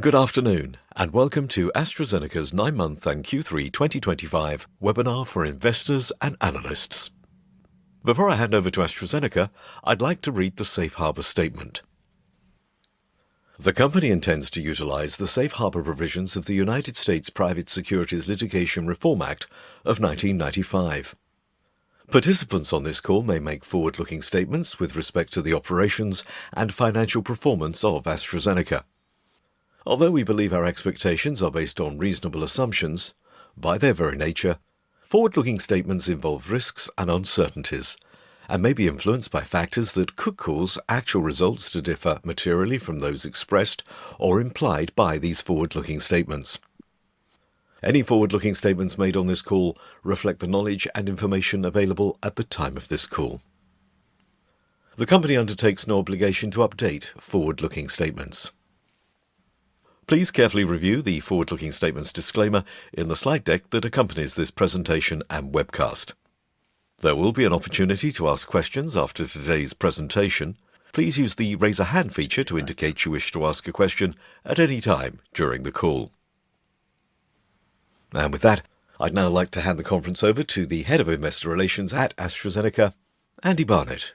Good afternoon, and Welcome to AstraZeneca's 9 Months and Q3 2025 webinar for investors and analysts. Before I hand over to AstraZeneca, I'd like to read the Safe Harbor Statement. The company intends to utilize the Safe Harbor provisions of the United States Private Securities Litigation Reform Act of 1995. Participants on this call may make forward-looking statements with respect to the operations and financial performance of AstraZeneca. Although we believe our expectations are based on reasonable assumptions, by their very nature, forward-looking statements involve risks and uncertainties, and may be influenced by factors that could cause actual results to differ materially from those expressed or implied by these forward-looking statements. Any forward-looking statements made on this call reflect the knowledge and information available at the time of this call. The company undertakes no obligation to update forward-looking statements. Please carefully review the forward-looking statements disclaimer in the slide deck that accompanies this presentation and webcast. There will be an opportunity to ask questions after today's presentation. Please use the raise-a-hand feature to indicate you wish to ask a question at any time during the call. With that, I'd now like to hand the conference over to the Head of Investor Relations at AstraZeneca, Andy Barnett.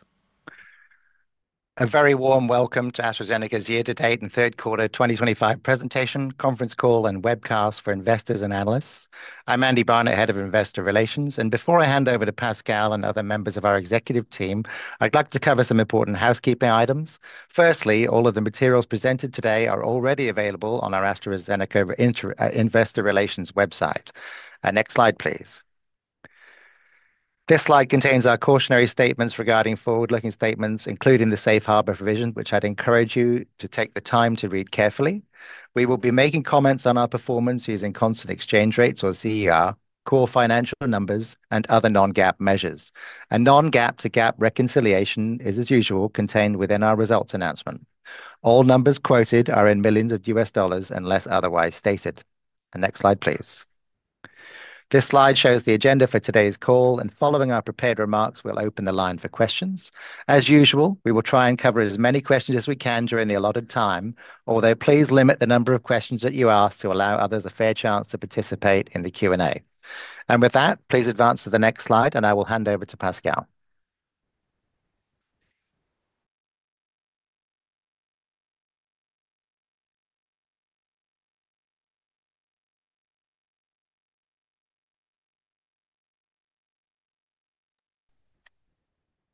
A very warm Welcome to AstraZeneca's Year-to-Date and Third Quarter 2025 Presentation, Conference Call, and Webcast for Investors and Analysts. I'm Andy Barnett, Head of Investor Relations, and before I hand over to Pascal and other members of our executive team, I'd like to cover some important housekeeping items. Firstly, all of the materials presented today are already available on our AstraZeneca Investor Relations website. Next slide, please. This slide contains our cautionary statements regarding forward-looking statements, including the Safe Harbor provision, which I'd encourage you to take the time to read carefully. We will be making comments on our performance using constant exchange rates or CER, core financial numbers, and other non-GAAP measures. A non-GAAP to GAAP reconciliation is, as usual, contained within our results announcement. All numbers quoted are in millions of US dollars unless otherwise stated. Next slide, please. This slide shows the agenda for today's call, and following our prepared remarks, we'll open the line for questions. As usual, we will try and cover as many questions as we can during the allotted time, although please limit the number of questions that you ask to allow others a fair chance to participate in the Q&A. With that, please advance to the next slide, and I will hand over to Pascal.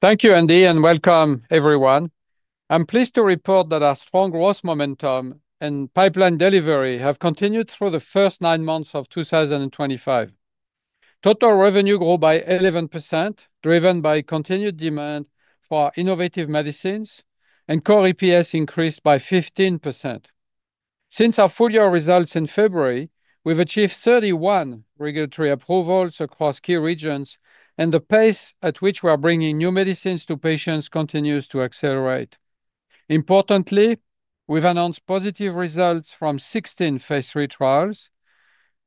Thank you, Andy, and welcome, everyone. I'm pleased to report that our strong growth momentum and pipeline delivery have continued through the first nine months of 2025. Total revenue grew by 11%, driven by continued demand for our innovative medicines, and core EPS increased by 15%. Since our full-year results in February, we've achieved 31 regulatory approvals across key regions, and the pace at which we are bringing new medicines to patients continues to accelerate. Importantly, we've announced positive results from 16 phase III trials,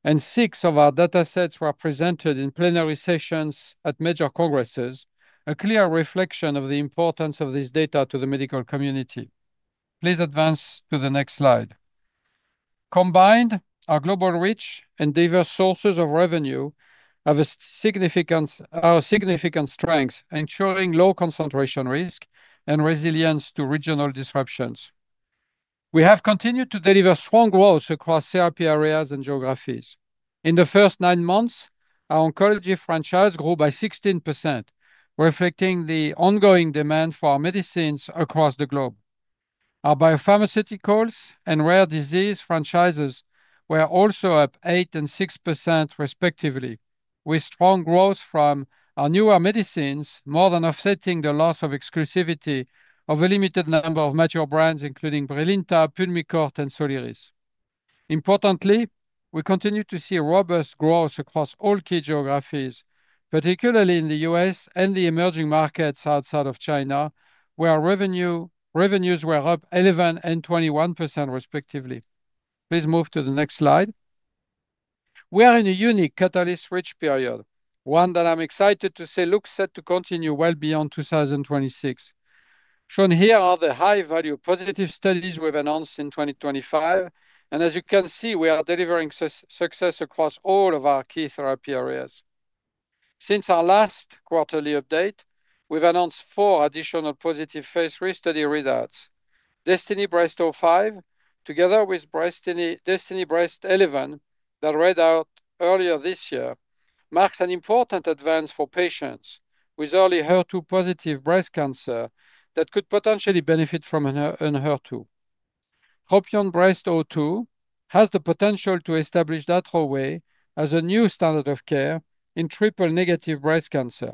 and six of our data sets were presented in plenary sessions at major congresses, a clear reflection of the importance of this data to the medical community. Please advance to the next slide. Combined, our global reach and diverse sources of revenue have a significant strength, ensuring low concentration risk and resilience to regional disruptions. We have continued to deliver strong growth across CRP areas and geographies. In the first nine months, our oncology franchise grew by 16%, reflecting the ongoing demand for our medicines across the globe. Our biopharmaceuticals and rare disease franchises were also up 8% and 6%, respectively, with strong growth from our newer medicines, more than offsetting the loss of exclusivity of a limited number of mature brands, including Brilinta, PULMICORT, and Soliris. Importantly, we continue to see robust growth across all key geographies, particularly in the U.S. and the emerging markets outside of China, where revenues were up 11% and 21%, respectively. Please move to the next slide. We are in a unique catalyst-rich period, one that I'm excited to say looks set to continue well beyond 2026. Shown here are the high-value positive studies we've announced in 2025, and as you can see, we are delivering success across all of our key therapy areas. Since our last quarterly update, we've announced four additional positive phase III study readouts. DESTINY-Breast05, together with DESTINY-Breast11 that read out earlier this year, marks an important advance for patients with early HER2-positive breast cancer that could potentially benefit from an HER2. TROPION-Breast02 has the potential to establish that hallway as a new standard of care in triple-negative breast cancer.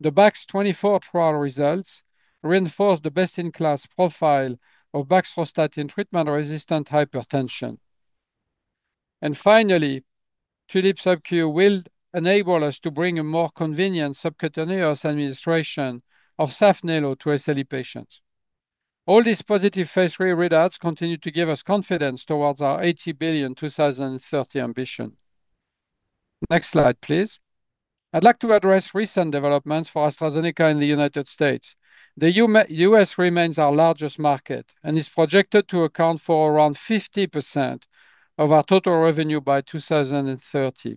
The Bax24 trial results reinforce the best-in-class profile of Baxdrostat in treatment-resistant hypertension. Finally, TULIP-SC will enable us to bring a more convenient subcutaneous administration of Saphnelo to SLE patients. All these positive phase III readouts continue to give us confidence towards our $80 billion 2030 ambition. Next slide, please. I'd like to address recent developments for AstraZeneca in the United States. The U.S. remains our largest market and is projected to account for around 50% of our total revenue by 2030.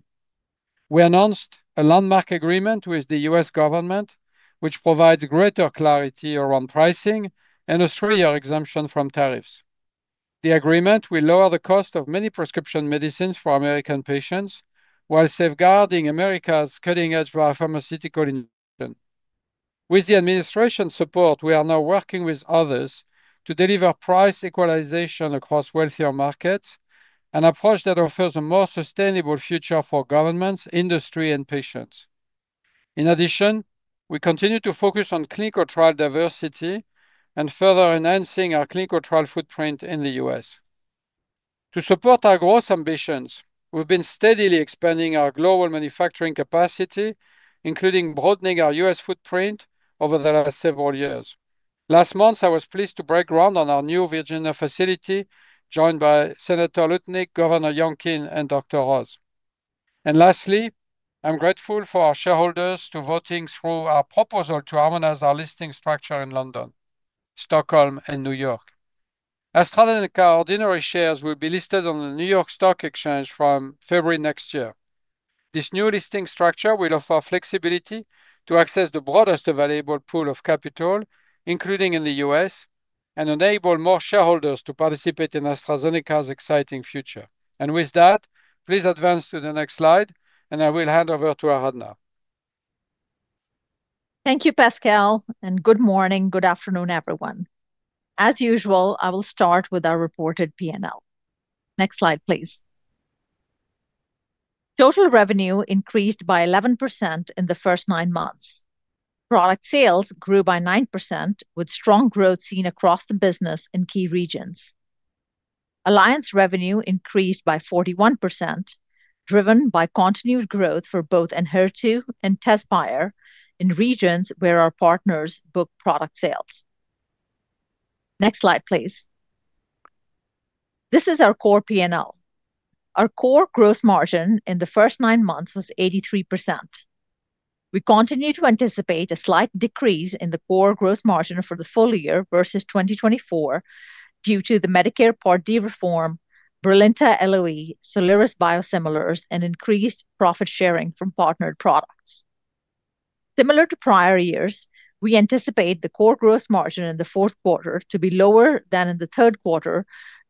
We announced a landmark agreement with the U.S. government, which provides greater clarity around pricing and a three-year exemption from tariffs. The agreement will lower the cost of many prescription medicines for American patients while safeguarding America's cutting-edge biopharmaceutical innovation. With the administration's support, we are now working with others to deliver price equalization across wealthier markets, an approach that offers a more sustainable future for governments, industry, and patients. In addition, we continue to focus on clinical trial diversity and further enhancing our clinical trial footprint in the U.S. To support our growth ambitions, we've been steadily expanding our global manufacturing capacity, including broadening our U.S. footprint over the last several years. Last month, I was pleased to break ground on our new Virginia facility, joined by Senator Lutnick, Governor Youngkin, and Dr. Ross. Lastly, I'm grateful for our shareholders for voting through our proposal to harmonize our listing structure in London, Stockholm, and New York. AstraZeneca ordinary shares will be listed on the New York Stock Exchange from February next year. This new listing structure will offer flexibility to access the broadest available pool of capital, including in the U.S., and enable more shareholders to participate in AstraZeneca's exciting future. With that, please advance to the next slide, and I will hand over to Aradhana. Thank you, Pascal, and good morning, good afternoon, everyone. As usual, I will start with our reported P&L. Next slide, please. Total revenue increased by 11% in the first nine months. Product sales grew by 9%, with strong growth seen across the business in key regions. Alliance revenue increased by 41%, driven by continued growth for both Enhertu and Tezspire in regions where our partners book product sales. Next slide, please. This is our core P&L. Our core gross margin in the first nine months was 83%. We continue to anticipate a slight decrease in the core gross margin for the full year versus 2024 due to the Medicare Part D reform, Brilinta LoE, Soliris biosimilars, and increased profit sharing from partnered products. Similar to prior years, we anticipate the core gross margin in the fourth quarter to be lower than in the third quarter,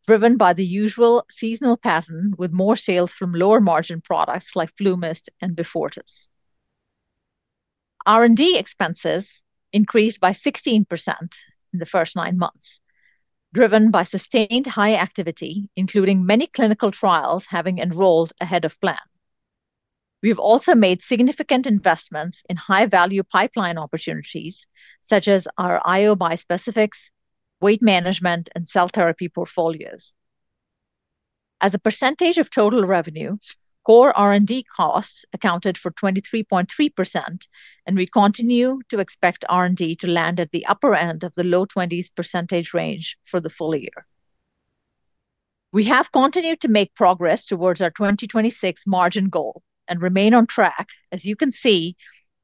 driven by the usual seasonal pattern with more sales from lower margin products like FluMist and Beyfortus. R&D expenses increased by 16% in the first nine months, driven by sustained high activity, including many clinical trials having enrolled ahead of plan. We've also made significant investments in high-value pipeline opportunities such as our IO bispecifics, weight management, and cell therapy portfolios. As a percentage of total revenue, core R&D costs accounted for 23.3%, and we continue to expect R&D to land at the upper end of the low 20s percentage range for the full year. We have continued to make progress towards our 2026 margin goal and remain on track, as you can see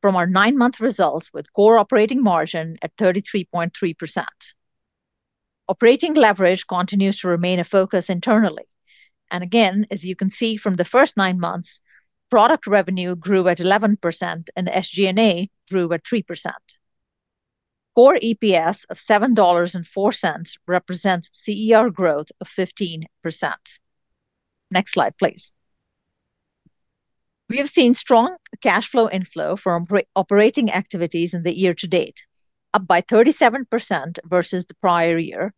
from our nine-month results with core operating margin at 33.3%. Operating leverage continues to remain a focus internally. As you can see from the first nine months, product revenue grew at 11% and SG&A grew at 3%. Core EPS of $7.04 represents CER growth of 15%. Next slide, please. We have seen strong cash flow inflow from operating activities in the year to date, up by 37% versus the prior year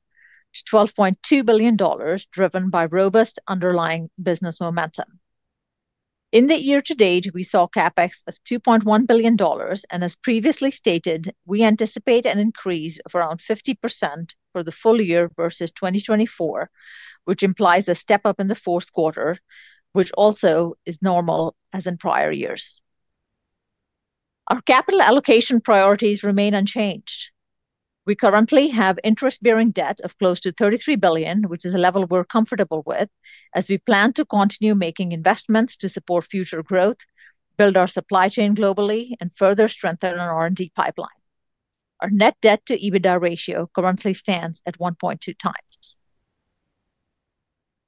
to $12.2 billion, driven by robust underlying business momentum. In the year to date, we saw CapEx of $2.1 billion, and as previously stated, we anticipate an increase of around 50% for the full year versus 2024, which implies a step up in the fourth quarter, which also is normal as in prior years. Our capital allocation priorities remain unchanged. We currently have interest-bearing debt of close to $33 billion, which is a level we're comfortable with, as we plan to continue making investments to support future growth, build our supply chain globally, and further strengthen our R&D pipeline. Our net debt-to-EBITDA ratio currently stands at 1.2x.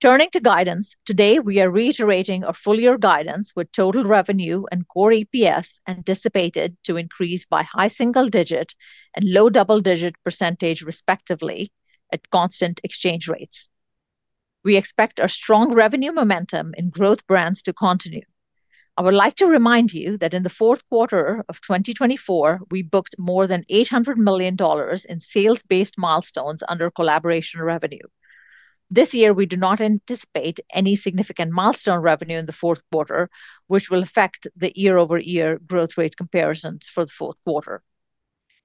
Turning to guidance, today we are reiterating our full-year guidance with total revenue and core EPS anticipated to increase by high single-digit and low double-digit %, respectively, at constant exchange rates. We expect our strong revenue momentum in growth brands to continue. I would like to remind you that in the fourth quarter of 2024, we booked more than $800 million in sales-based milestones under collaboration revenue. This year, we do not anticipate any significant milestone revenue in the fourth quarter, which will affect the year-over-year growth rate comparisons for the fourth quarter.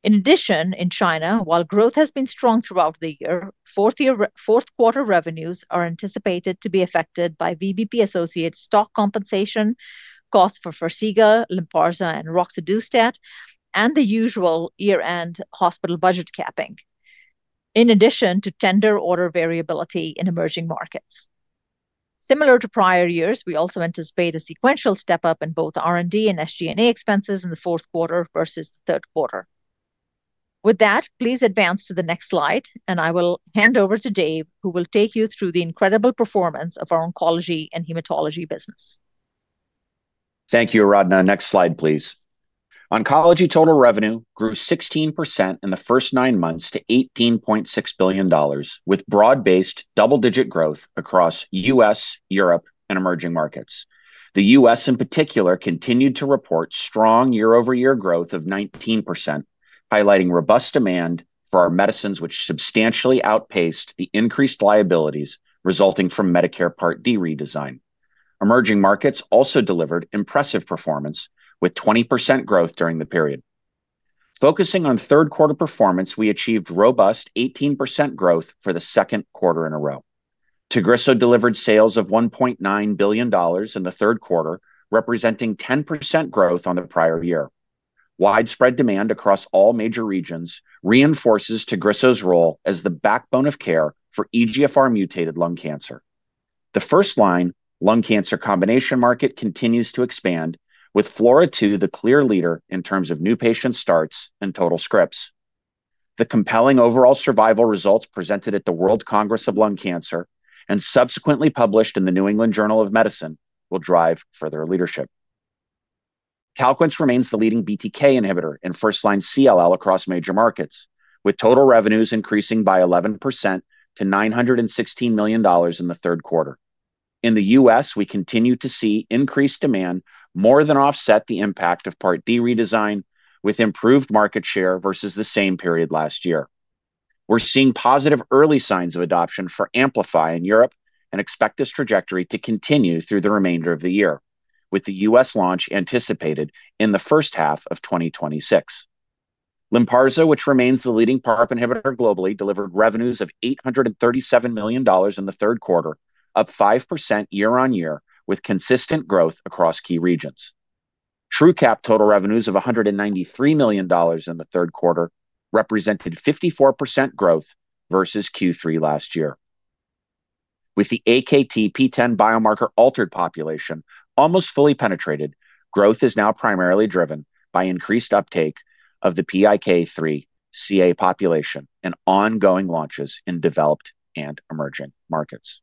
In addition, in China, while growth has been strong throughout the year, fourth quarter revenues are anticipated to be affected by VBP-associated stock compensation costs for Forxiga, Lynparza, and Roxadustat, and the usual year-end hospital budget capping. In addition to tender order variability in emerging markets. Similar to prior years, we also anticipate a sequential step up in both R&D and SG&A expenses in the fourth quarter versus the third quarter. With that, please advance to the next slide, and I will hand over to Dave, who will take you through the incredible performance of our oncology and hematology business. Thank you, Aradhana. Next slide, please. Oncology total revenue grew 16% in the first nine months to $18.6 billion, with broad-based double-digit growth across the U.S., Europe, and emerging markets. The U.S., in particular, continued to report strong year-over-year growth of 19%, highlighting robust demand for our medicines, which substantially outpaced the increased liabilities resulting from Medicare Part D redesign. Emerging markets also delivered impressive performance, with 20% growth during the period. Focusing on third-quarter performance, we achieved robust 18% growth for the second quarter in a row. TAGRISSO delivered sales of $1.9 billion in the third quarter, representing 10% growth on the prior year. Widespread demand across all major regions reinforces TAGRISSO's role as the backbone of care for EGFR-mutated lung cancer. The first-line lung cancer combination market continues to expand, with FLAURA2 the clear leader in terms of new patient starts and total scripts. The compelling overall survival results presented at the World Congress of Lung Cancer and subsequently published in the New England Journal of Medicine will drive further leadership. Calquence remains the leading BTK inhibitor in first-line CLL across major markets, with total revenues increasing by 11% to $916 million in the third quarter. In the U.S., we continue to see increased demand more than offset the impact of Part D redesign, with improved market share versus the same period last year. We're seeing positive early signs of adoption for AMPLIFY in Europe and expect this trajectory to continue through the remainder of the year, with the U.S. launch anticipated in the first half of 2026. Lynparza, which remains the leading PARP inhibitor globally, delivered revenues of $837 million in the third quarter, up 5% year-on-year, with consistent growth across key regions. Truqap total revenues of $193 million in the third quarter represented 54% growth versus Q3 last year. With the AKT PTEN biomarker-altered population almost fully penetrated, growth is now primarily driven by increased uptake of the PIK3CA population and ongoing launches in developed and emerging markets.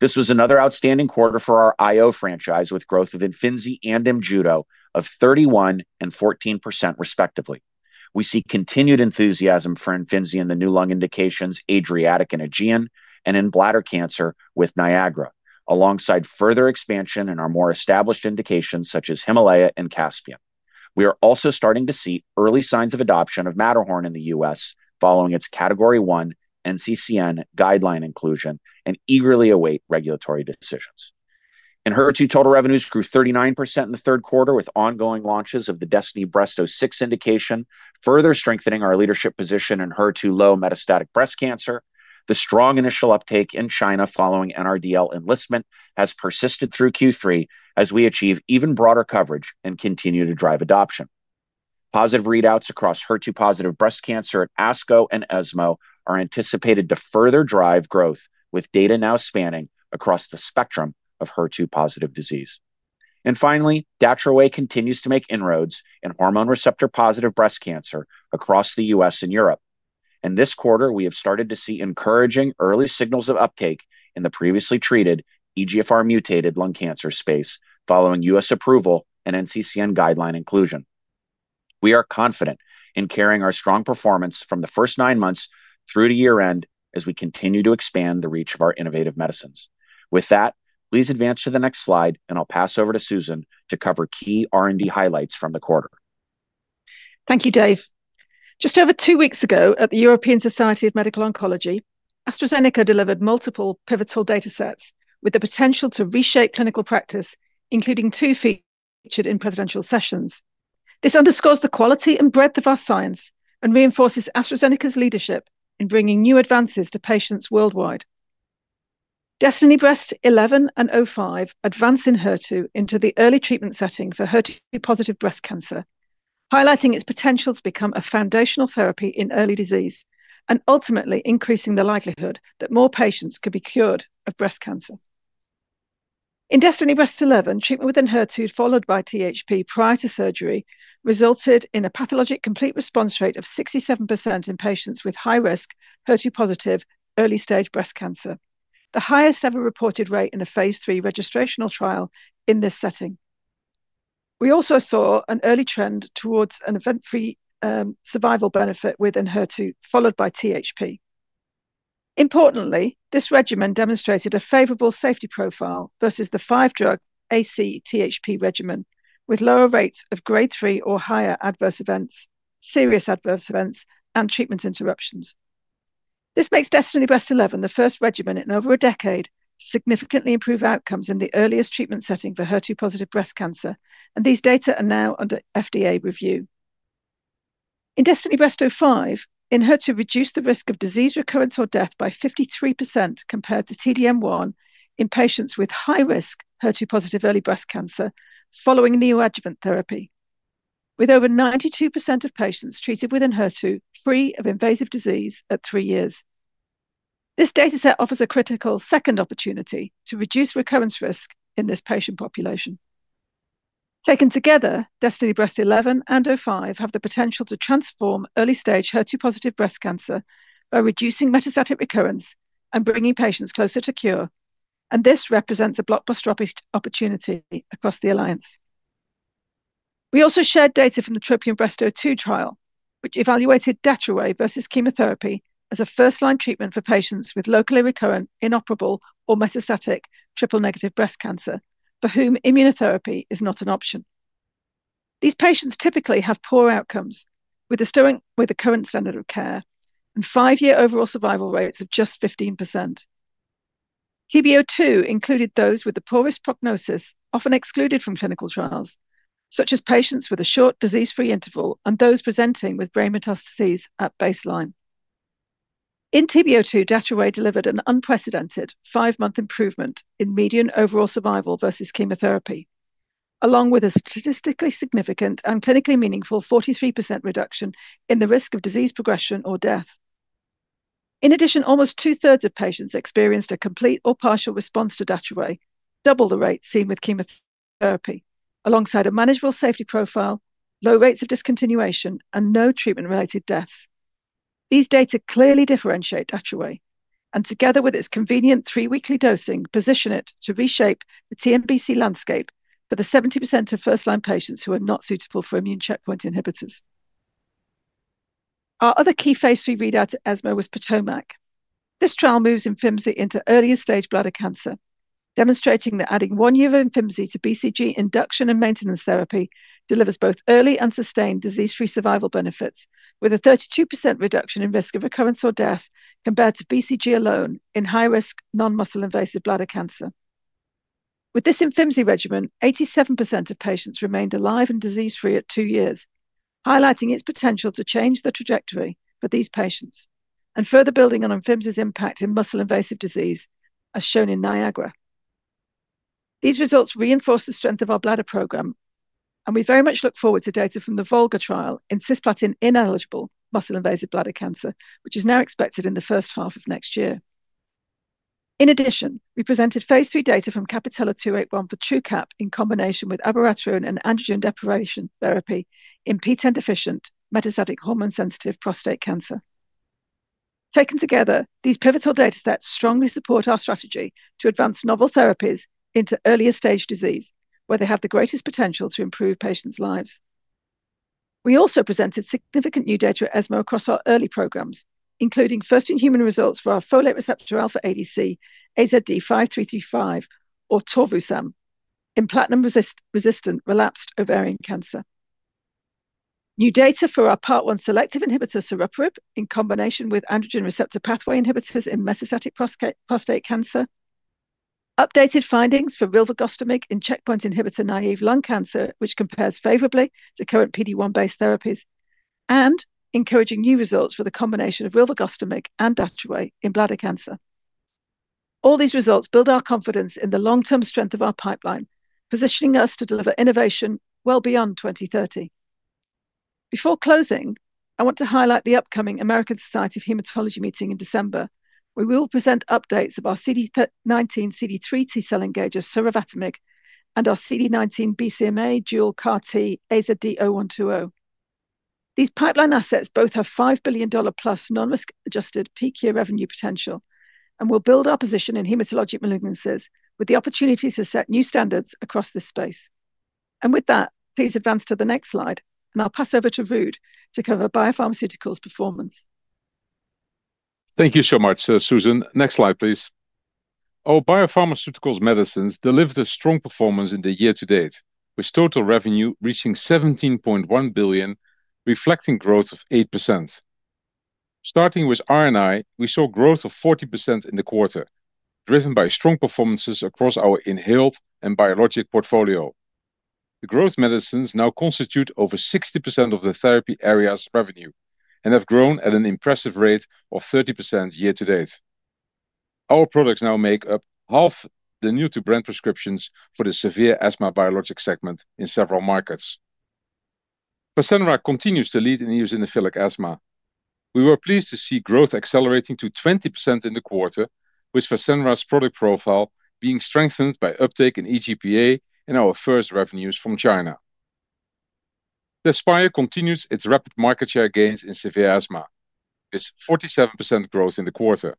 This was another outstanding quarter for our IO franchise, with growth of Imfinzi and Imjudo of 31% and 14%, respectively. We see continued enthusiasm for Imfinzi in the new lung indications ADRIATIC and AEGEAN, and in bladder cancer with NIAGARA, alongside further expansion in our more established indications such as HIMALAYA and CASPIAN. We are also starting to see early signs of adoption of MATTERHORN in the U.S. following its Category 1 NCCN guideline inclusion and eagerly await regulatory decisions. In HER2, total revenues grew 39% in the third quarter, with ongoing launches of the DESTINY- Breast06 indication further strengthening our leadership position in HER2-low metastatic breast cancer. The strong initial uptake in China following NRDL enlistment has persisted through Q3 as we achieve even broader coverage and continue to drive adoption. Positive readouts across HER2-positive breast cancer at ASCO and ESMO are anticipated to further drive growth, with data now spanning across the spectrum of HER2-positive disease. Finally, Datroway continues to make inroads in hormone receptor-positive breast cancer across the U.S. and Europe. In this quarter, we have started to see encouraging early signals of uptake in the previously treated EGFR-mutated lung cancer space following U.S. approval and NCCN guideline inclusion. We are confident in carrying our strong performance from the first nine months through the year-end as we continue to expand the reach of our innovative medicines. With that, please advance to the next slide, and I'll pass over to Susan to cover key R&D highlights from the quarter. Thank you, Dave. Just over two weeks ago at the European Society of Medical Oncology, AstraZeneca delivered multiple pivotal data sets with the potential to reshape clinical practice, including two featured in presidential sessions. This underscores the quality and breadth of our science and reinforces AstraZeneca's leadership in bringing new advances to patients worldwide. DESTINY-Breast11 and 05 advance in HER2 into the early treatment setting for HER2-positive breast cancer, highlighting its potential to become a foundational therapy in early disease and ultimately increasing the likelihood that more patients could be cured of breast cancer. In DESTINY-Breast11, treatment with Enhertu followed by THP prior to surgery resulted in a pathologic complete response rate of 67% in patients with high-risk HER2-positive early-stage breast cancer, the highest ever reported rate in a phase III registrational trial in this setting. We also saw an early trend towards an event-free survival benefit within HER2 followed by THP. Importantly, this regimen demonstrated a favorable safety profile versus the five-drug AC-THP regimen, with lower rates of Grade 3 or higher adverse events, serious adverse events, and treatment interruptions. This makes DESTINY-Breast11 the first regimen in over a decade to significantly improve outcomes in the earliest treatment setting for HER2-positive breast cancer, and these data are now under FDA review. In DESTINY-Breast05, Enhertu reduced the risk of disease recurrence or death by 53% compared to TDM1 in patients with high-risk HER2-positive early breast cancer following neoadjuvant therapy, with over 92% of patients treated with Enhertu free of invasive disease at three years. This data set offers a critical second opportunity to reduce recurrence risk in this patient population. Taken together, DESTINY-Breast11 and 05 have the potential to transform early-stage HER2-positive breast cancer by reducing metastatic recurrence and bringing patients closer to cure, and this represents a blockbuster opportunity across the alliance. We also shared data from the TROPION-Breast02 trial, which evaluated Datroway versus chemotherapy as a first-line treatment for patients with locally recurrent inoperable or metastatic triple-negative breast cancer for whom immunotherapy is not an option. These patients typically have poor outcomes with a current standard of care and five-year overall survival rates of just 15%. TB02 included those with the poorest prognosis, often excluded from clinical trials, such as patients with a short disease-free interval and those presenting with brain metastases at baseline. In TBO2, Datroway delivered an unprecedented five-month improvement in median overall survival versus chemotherapy, along with a statistically significant and clinically meaningful 43% reduction in the risk of disease progression or death. In addition, almost two-thirds of patients experienced a complete or partial response to Datroway double the rate seen with chemotherapy, alongside a manageable safety profile, low rates of discontinuation, and no treatment-related deaths. These data clearly differentiate Datroway and, together with its convenient three-weekly dosing, position it to reshape the TNBC landscape for the 70% of first-line patients who are not suitable for immune checkpoint inhibitors. Our other key phase III readout at ESMO was Patomac. This trial moves Imfinzi into earlier-stage bladder cancer, demonstrating that adding one year of Imfinzi to BCG induction and maintenance therapy delivers both early and sustained disease-free survival benefits, with a 32% reduction in risk of recurrence or death compared to BCG alone in high-risk non-muscle-invasive bladder cancer. With this Imfinzi regimen, 87% of patients remained alive and disease-free at two years, highlighting its potential to change the trajectory for these patients and further building on Imfinzi's impact in muscle-invasive disease, as shown in NIAGARA. These results reinforce the strength of our bladder program, and we very much look forward to data from the VOLGA trial in cisplatin-ineligible muscle-invasive bladder cancer, which is now expected in the first half of next year. In addition, we presented phase III data from CAPItello-281 for Truqap in combination with abiraterone and androgen deprivation therapy in PTEN-deficient metastatic hormone-sensitive prostate cancer. Taken together, these pivotal data sets strongly support our strategy to advance novel therapies into earlier-stage disease, where they have the greatest potential to improve patients' lives. We also presented significant new data at ESMO across our early programs, including first-in-human results for our folate receptor alpha ADC, AZD5335, or Torvusam, in platinum-resistant relapsed ovarian cancer. New data for our PARP1 selective inhibitor, Saruparib, in combination with androgen receptor pathway inhibitors in metastatic prostate cancer. Updated findings for volrustomig in checkpoint inhibitor naive lung cancer, which compares favorably to current PD-1 based therapies, and encouraging new results for the combination of volrustomig and Datroway in bladder cancer. All these results build our confidence in the long-term strength of our pipeline, positioning us to deliver innovation well beyond 2030. Before closing, I want to highlight the upcoming American Society of Hematology meeting in December, where we will present updates of our CD19 CD3 T-cell engager, surovatamig, and our CD19 BCMA dual CAR-T, AZD0120. These pipeline assets both have $5 billion+ non-risk-adjusted peak-year revenue potential and will build our position in hematologic malignancies with the opportunity to set new standards across this space. Please advance to the next slide, and I'll pass over to Ruud to cover biopharmaceuticals' performance. Thank you so much, Susan. Next slide, please. Our biopharmaceuticals medicines delivered a strong performance in the year to date, with total revenue reaching $17.1 billion, reflecting growth of 8%. Starting with RNI, we saw growth of 40% in the quarter, driven by strong performances across our inhaled and biologic portfolio. The growth medicines now constitute over 60% of the therapy area's revenue and have grown at an impressive rate of 30% year to date. Our products now make up half the new-to-brand prescriptions for the severe asthma biologic segment in several markets. Fasenra continues to lead in eosinophilic asthma. We were pleased to see growth accelerating to 20% in the quarter, with Fasenra's product profile being strengthened by uptake in EGPA and our first revenues from China. Tezspire continues its rapid market share gains in severe asthma, with 47% growth in the quarter.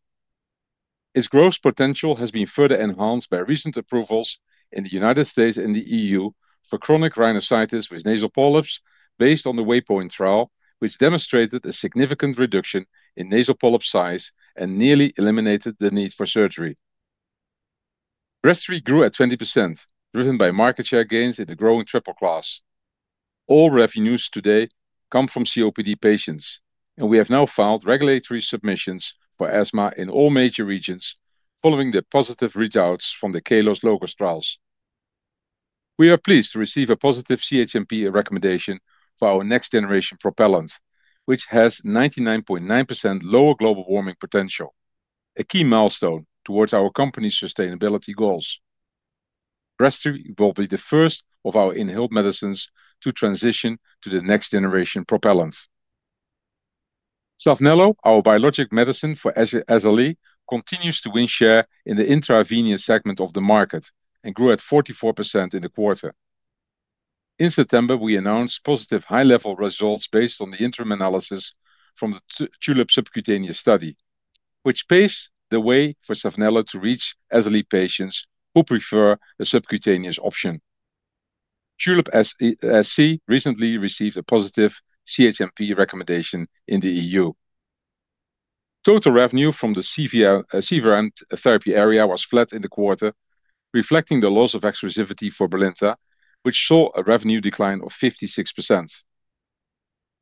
Its growth potential has been further enhanced by recent approvals in the United States and the EU for chronic rhinosinusitis with nasal polyps based on the Waypoint trial, which demonstrated a significant reduction in nasal polyp size and nearly eliminated the need for surgery. Breztri grew at 20%, driven by market share gains in the growing triple class. All revenues today come from COPD patients, and we have now filed regulatory submissions for asthma in all major regions following the positive readouts from the KALOS LOGOS trials. We are pleased to receive a positive CHMP recommendation for our next-generation propellant, which has 99.9% lower global warming potential, a key milestone towards our company's sustainability goals. Breztri will be the first of our inhaled medicines to transition to the next-generation propellant. Saphnelo, our biologic medicine for SLE, continues to win share in the intravenous segment of the market and grew at 44% in the quarter. In September, we announced positive high-level results based on the interim analysis from the TULIP subcutaneous study, which paves the way for Saphnelo to reach SLE patients who prefer a subcutaneous option. TULIP SC recently received a positive CHMP recommendation in the EU. Total revenue from the CVRM therapy area was flat in the quarter, reflecting the loss of exclusivity for Brilinta, which saw a revenue decline of 56%.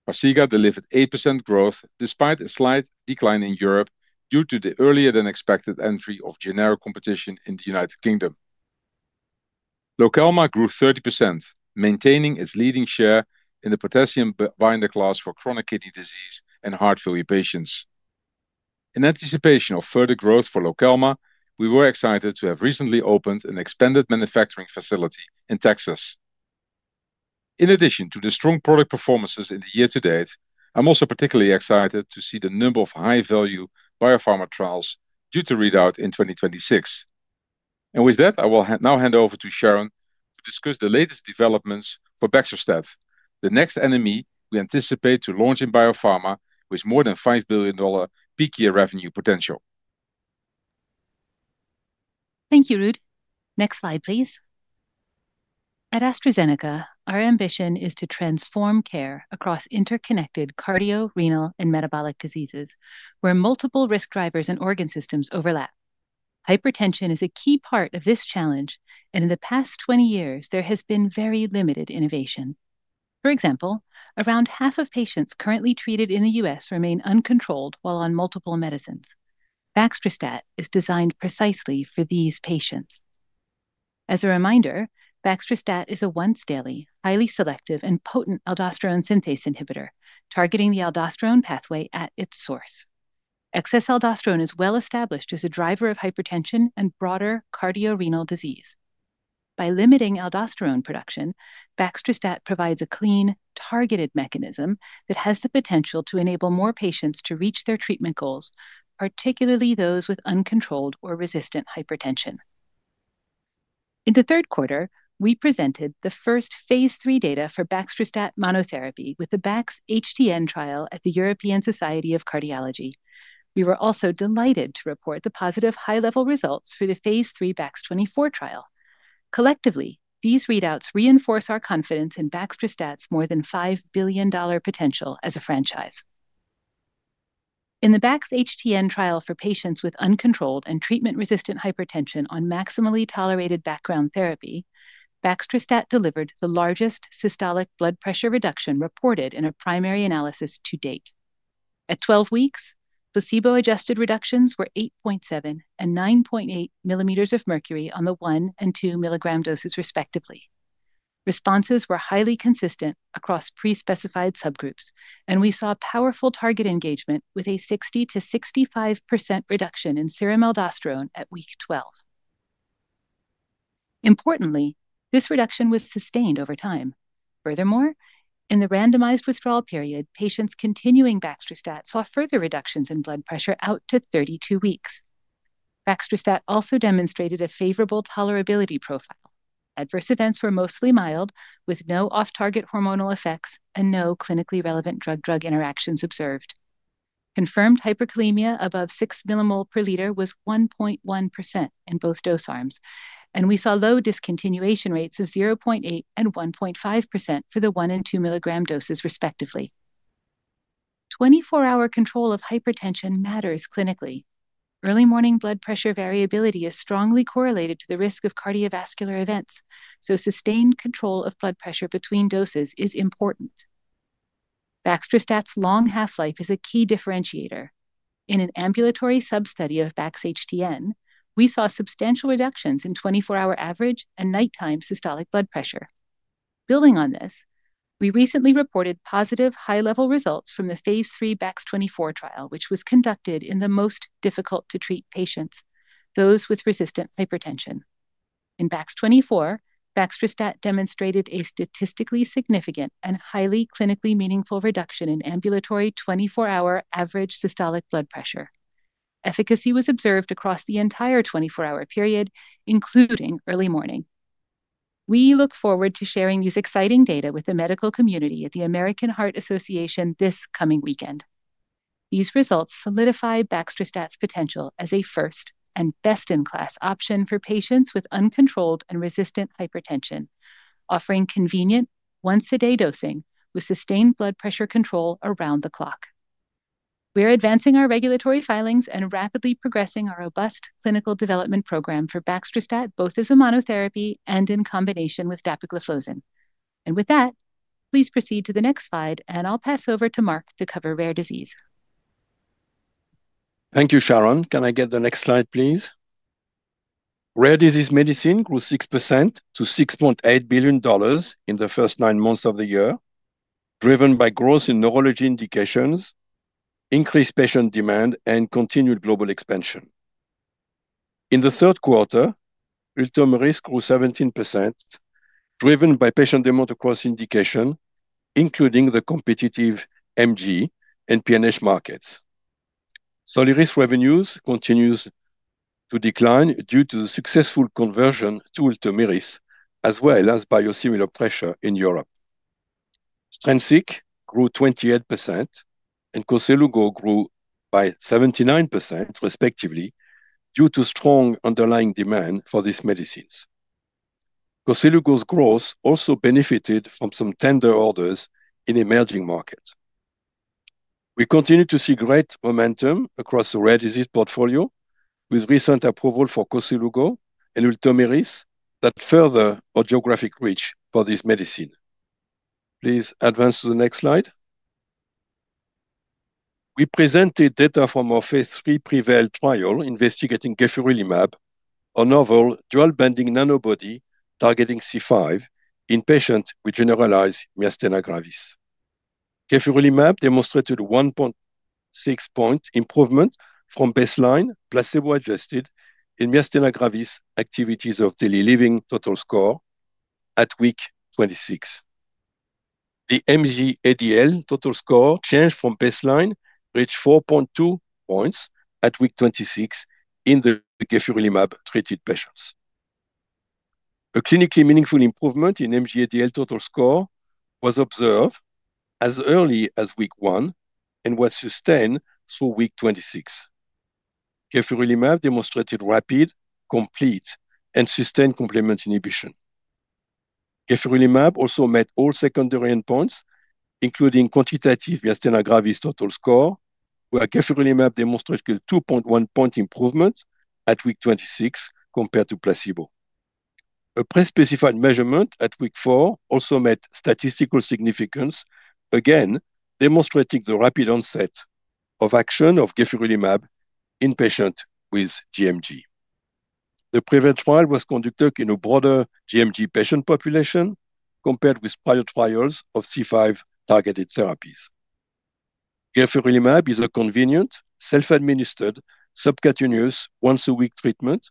Farxiga delivered 8% growth despite a slight decline in Europe due to the earlier-than-expected entry of generic competition in the U.K. Lokelma grew 30%, maintaining its leading share in the potassium binder class for chronic kidney disease and heart failure patients. In anticipation of further growth for Lokelma, we were excited to have recently opened an expanded manufacturing facility in Texas. In addition to the strong product performances in the year to date, I'm also particularly excited to see the number of high-value biopharma trials due to readout in 2026. I will now hand over to Sharon to discuss the latest developments for Baxdrostat, the next NME we anticipate to launch in biopharma with more than $5 billion peak-year revenue potential. Thank you, Ruud. Next slide, please. At AstraZeneca, our ambition is to transform care across interconnected cardiorenal and metabolic diseases where multiple risk drivers and organ systems overlap. Hypertension is a key part of this challenge, and in the past 20 years, there has been very limited innovation. For example, around half of patients currently treated in the U.S. remain uncontrolled while on multiple medicines. Baxdrostat is designed precisely for these patients. As a reminder, Baxdrostat is a once-daily, highly selective, and potent aldosterone synthase inhibitor targeting the aldosterone pathway at its source. Excess aldosterone is well established as a driver of hypertension and broader cardiorenal disease. By limiting aldosterone production, Baxdrostat provides a clean, targeted mechanism that has the potential to enable more patients to reach their treatment goals, particularly those with uncontrolled or resistant hypertension. In the third quarter, we presented the first phase III data for Baxdrostat monotherapy with the BaxHTN trial at the European Society of Cardiology. We were also delighted to report the positive high-level results for the phase III Bax24 trial. Collectively, these readouts reinforce our confidence in Baxdrostat's more than $5 billion potential as a franchise. In the BaxHTN trial for patients with uncontrolled and treatment-resistant hypertension on maximally tolerated background therapy, Baxdrostat delivered the largest systolic blood pressure reduction reported in a primary analysis to date. At 12 weeks, placebo-adjusted reductions were 8.7 and 9.8 millimeters of mercury on the 1 and 2 mg doses, respectively. Responses were highly consistent across pre-specified subgroups, and we saw powerful target engagement with a 60%-65% reduction in Serum Aldosterone at week 12. Importantly, this reduction was sustained over time. Furthermore, in the randomized withdrawal period, patients continuing Baxdrostat saw further reductions in blood pressure out to 32 weeks. Baxdrostat also demonstrated a favorable tolerability profile. Adverse events were mostly mild, with no off-target hormonal effects and no clinically relevant drug-drug interactions observed. Confirmed hyperkalemia above 6 millimol per liter was 1.1% in both dose arms, and we saw low discontinuation rates of 0.8% and 1.5% for the 1 mg and 2 mg doses, respectively. 24-hour control of hypertension matters clinically. Early morning blood pressure variability is strongly correlated to the risk of cardiovascular events, so sustained control of blood pressure between doses is important. Baxdrostat's long half-life is a key differentiator. In an ambulatory sub-study of BaxHTN, we saw substantial reductions in 24-hour average and nighttime systolic blood pressure. Building on this, we recently reported positive high-level results from the phase III Bax24 trial, which was conducted in the most difficult-to-treat patients, those with resistant hypertension. In Bax24, Baxdrostat demonstrated a statistically significant and highly clinically meaningful reduction in ambulatory 24-hour average systolic blood pressure. Efficacy was observed across the entire 24-hour period, including early morning. We look forward to sharing these exciting data with the medical community at the American Heart Association this coming weekend. These results solidify Baxdrostat's potential as a first and best-in-class option for patients with uncontrolled and resistant hypertension, offering convenient once-a-day dosing with sustained blood pressure control around the clock. We are advancing our regulatory filings and rapidly progressing our robust clinical development program for Baxdrostat, both as a monotherapy and in combination with dapagliflozin. Please proceed to the next slide, and I will pass over to Marc to cover rare disease. Thank you, Sharon. Can I get the next slide, please? Rare disease medicine grew 6% to $6.8 billion in the first nine months of the year, driven by growth in neurology indications, increased patient demand, and continued global expansion. In the third quarter, Ultomiris grew 17%, driven by patient demand across indication, including the competitive MG and PNH markets. Soliris revenues continued to decline due to the successful conversion to Ultomiris, as well as biosimilar pressure in Europe. Strensiq grew 28%, and Koselugo grew by 79%, respectively, due to strong underlying demand for these medicines. Koselugo's growth also benefited from some tender orders in emerging markets. We continue to see great momentum across the rare disease portfolio, with recent approval for Koselugo and Ultomiris that further our geographic reach for this medicine. Please advance to the next slide. We presented data from our phase III PREVAIL trial investigating gefurulimab, a novel dual-binding nanobody targeting C5 in patients with generalized myasthenia gravis. gefurulimab demonstrated a 1.6-point improvement from baseline placebo-adjusted in myasthenia gravis activities of daily living total score at week 26. The MG ADL total score changed from baseline, reached 4.2 points at week 26 in the gefurulimab-treated patients. A clinically meaningful improvement in MG ADL total score was observed as early as week one and was sustained through week 26. gefurulimab demonstrated rapid, complete, and sustained complement inhibition. gefurulimab also met all secondary endpoints, including quantitative myasthenia gravis total score, where gefurulimab demonstrated a 2.1-point improvement at week 26 compared to placebo. A pre-specified measurement at week four also met statistical significance, again demonstrating the rapid onset of action of gefurulimab in patients with GMG. The PREVAIL trial was conducted in a broader GMG patient population compared with prior trials of C5-targeted therapies. gefurulimab is a convenient, self-administered, subcutaneous once-a-week treatment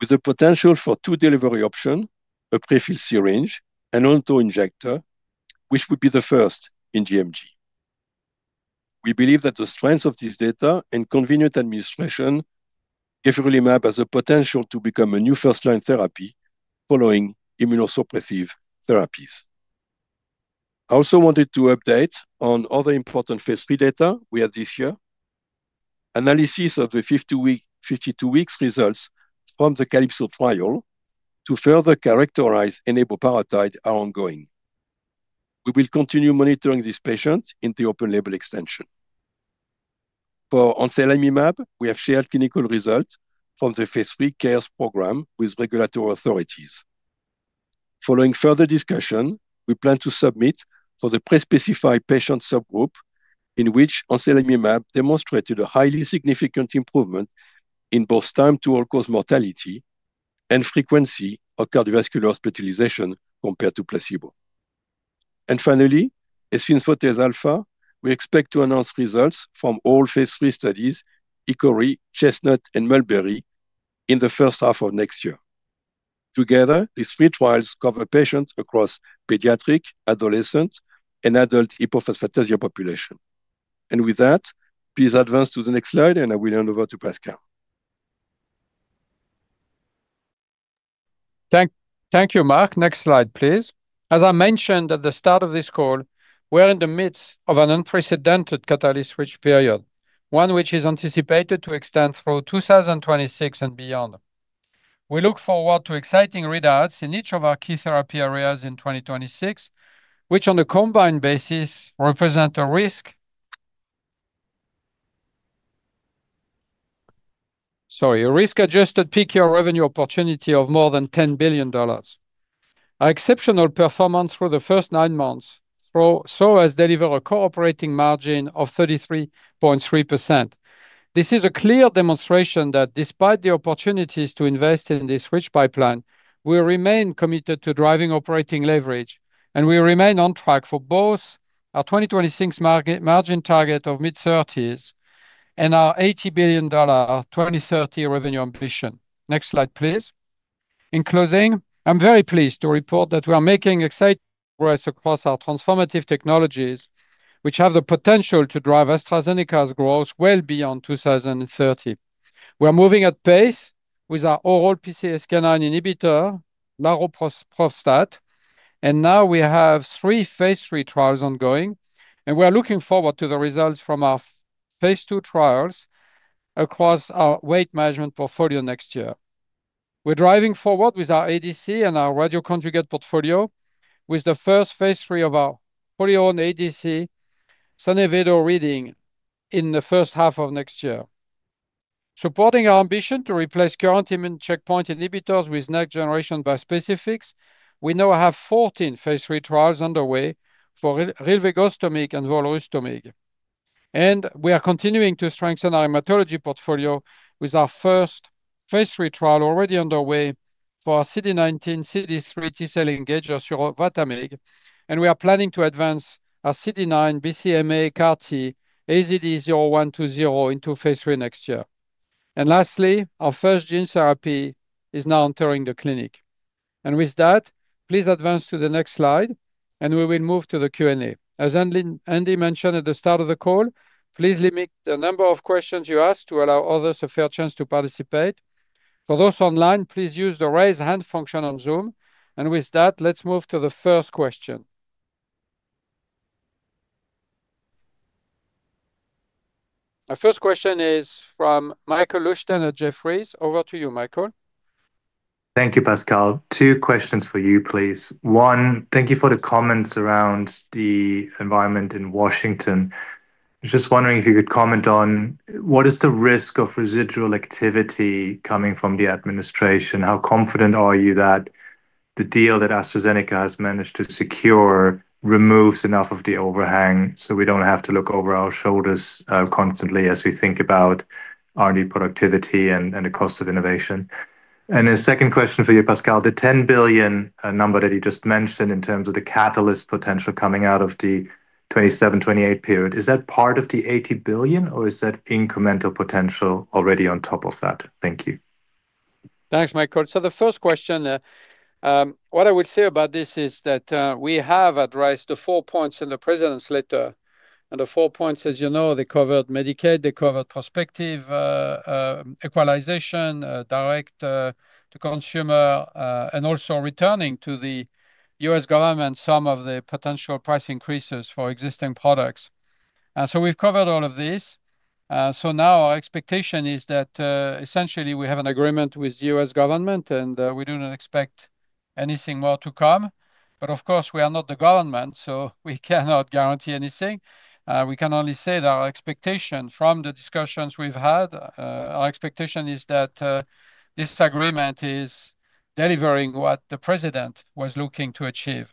with the potential for two delivery options: a prefilled syringe and an on-the-injector, which would be the first in GMG. We believe that the strength of this data and convenient administration give gefurulimab as a potential to become a new first-line therapy following immunosuppressive therapies. I also wanted to update on other important phase III data we had this year. Analysis of the 52-week results from the CALYPSO trial to further characterize Eneboparatide are ongoing. We will continue monitoring these patients in the open label extension. For Anselamimab, we have shared clinical results from the phase III CARES program with regulatory authorities. Following further discussion, we plan to submit for the pre-specified patient subgroup in which Anselamimab demonstrated a highly significant improvement in both time-to-all-cause mortality and frequency of cardiovascular hospitalization compared to placebo. Finally, as in phase alpha, we expect to announce results from all phase III studies, HICKORY, CHESTNUT, and MULBERRY, in the first half of next year. Together, these three trials cover patients across pediatric, adolescent, and adult hypophosphatasia population. With that, please advance to the next slide, and I will hand over to Pascal. Thank you, Marc. Next slide, please. As I mentioned at the start of this call, we're in the midst of an unprecedented catalyst switch period, one which is anticipated to extend through 2026 and beyond. We look forward to exciting readouts in each of our key therapy areas in 2026, which on a combined basis represent a risk—sorry, a risk-adjusted peak-year revenue opportunity of more than $10 billion. Our exceptional performance through the first nine months so far has delivered a cooperating margin of 33.3%. This is a clear demonstration that despite the opportunities to invest in this switch pipeline, we remain committed to driving operating leverage, and we remain on track for both our 2026 margin target of mid-30s and our $80 billion 2030 revenue ambition. Next slide, please. In closing, I'm very pleased to report that we are making exciting progress across our transformative technologies, which have the potential to drive AstraZeneca's growth well beyond 2030. We're moving at pace with our oral PCSK9 inhibitor, laroprovstat, and now we have three phase III trials ongoing, and we're looking forward to the results from our phase II trials across our weight management portfolio next year. We're driving forward with our ADC and our radioconjugate portfolio, with the first phase III of our fully-owned ADC, sone-vedo, reading in the first half of next year. Supporting our ambition to replace current immune checkpoint inhibitors with next-generation biospecifics, we now have 14 phase III trials underway for real Rilvigostomic and volrustomig. We are continuing to strengthen our hematology portfolio with our first phase III trial already underway for our CD19, CD3 T-cell engager surovatamig, and we are planning to advance our CD9, BCMA, CAR-T, AZD0120 into phase III next year. Lastly, our first gene therapy is now entering the clinic. With that, please advance to the next slide, and we will move to the Q&A. As Andy mentioned at the start of the call, please limit the number of questions you ask to allow others a fair chance to participate. For those online, please use the raise hand function on Zoom. With that, let's move to the first question. Our first question is from Michael Leuchten at Jefferies. Over to you, Michael. Thank you, Pascal. Two questions for you, please. One, thank you for the comments around the environment in Washington. I was just wondering if you could comment on what is the risk of residual activity coming from the administration? How confident are you that the deal that AstraZeneca has managed to secure removes enough of the overhang so we do not have to look over our shoulders constantly as we think about our new productivity and the cost of innovation? A second question for you, Pascal. The $10 billion number that you just mentioned in terms of the catalyst potential coming out of the 2027-2028 period, is that part of the $80 billion, or is that incremental potential already on top of that? Thank you. Thanks, Michael. The first question. What I would say about this is that we have addressed the four points in the president's letter. The four points, as you know, they covered Medicaid, they covered prospective equalization, direct to consumer, and also returning to the U.S. government some of the potential price increases for existing products. We have covered all of this. Now our expectation is that essentially we have an agreement with the U.S. government, and we do not expect anything more to come. Of course, we are not the government, so we cannot guarantee anything. We can only say that our expectation from the discussions we have had, our expectation is that this agreement is delivering what the president was looking to achieve.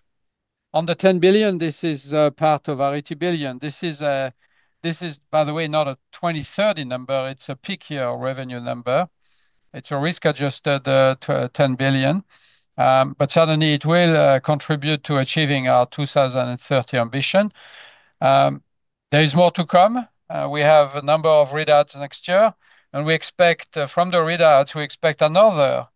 On the $10 billion, this is part of our $80 billion. This is, by the way, not a 2030 number. It's a peak-year revenue number. It's a risk-adjusted $10 billion. Certainly, it will contribute to achieving our 2030 ambition. There is more to come. We have a number of readouts next year. We expect from the readouts, we expect another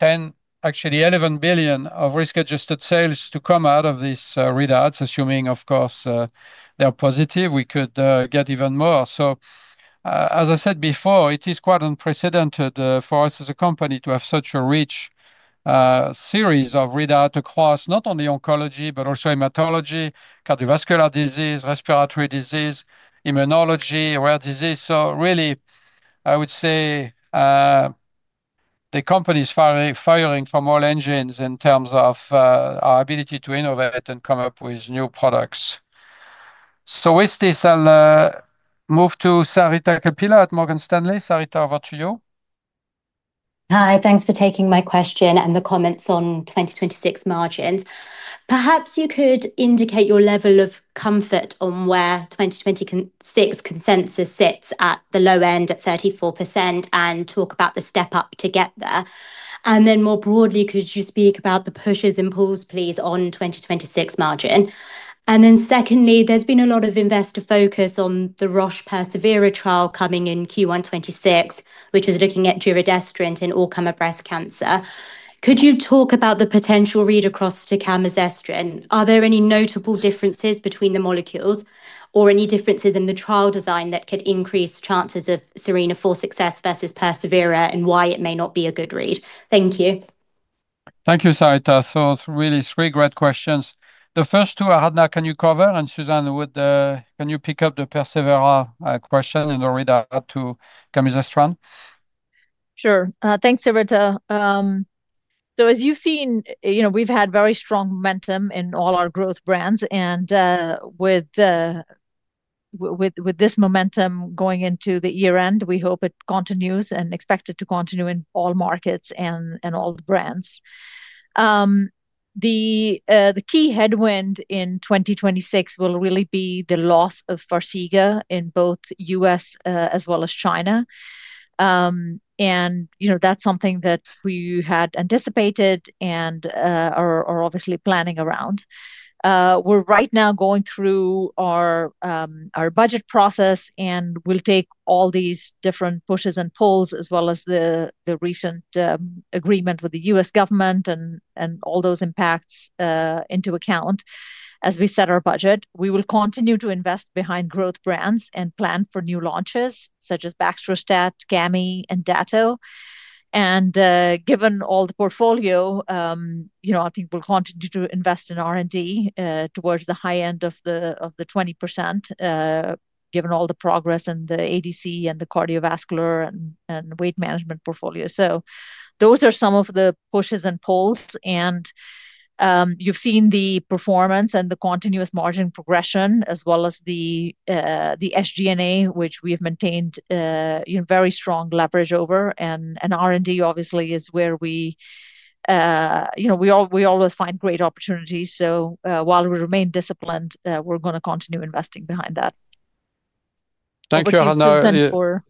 $10 billion, actually $11 billion of risk-adjusted sales to come out of these readouts, assuming, of course, they're positive. We could get even more. As I said before, it is quite unprecedented for us as a company to have such a rich series of readouts across not only oncology, but also hematology, cardiovascular disease, respiratory disease, immunology, rare disease. Really, I would say the company is firing from all engines in terms of our ability to innovate and come up with new products. With this, I'll move to Sarita Kapila at Morgan Stanley. Sarita, over to you. Hi, thanks for taking my question and the comments on 2026 margins. Perhaps you could indicate your level of comfort on where 2026 consensus sits at the low end at 34% and talk about the step up to get there. More broadly, could you speak about the pushes and pulls, please, on 2026 margin? Secondly, there's been a lot of investor focus on the Roche persevERA trial coming in Q1 2026, which is looking at giredestrant and ORCAMA breast cancer. Could you talk about the potential read across to camizestrant? Are there any notable differences between the molecules or any differences in the trial design that could increase chances of Serena 4 success versus persevERA and why it may not be a good read? Thank you. Thank you, Sarita. Really, three great questions. The first two, Aradhana, can you cover? Susan, can you pick up the persevERA question and the readout to camizestrant? Sure. Thanks, Sarita. As you've seen, we've had very strong momentum in all our growth brands. With this momentum going into the year-end, we hope it continues and is expected to continue in all markets and all brands. The key headwind in 2026 will really be the loss of Farxiga in both the U.S. as well as China. That's something that we had anticipated and are obviously planning around. We're right now going through our budget process, and we'll take all these different pushes and pulls, as well as the recent agreement with the U.S. government and all those impacts into account as we set our budget. We will continue to invest behind growth brands and plan for new launches such as Baxdrostat, Gammy, and Dato. Given all the portfolio, I think we'll continue to invest in R&D towards the high end of the 20%. Given all the progress in the ADC and the cardiovascular and weight management portfolio. Those are some of the pushes and pulls. You have seen the performance and the continuous margin progression, as well as the SG&A, which we have maintained very strong leverage over. R&D, obviously, is where we always find great opportunities. While we remain disciplined, we are going to continue investing behind that. Thank you, Aradhana. Thanks, Susan, for.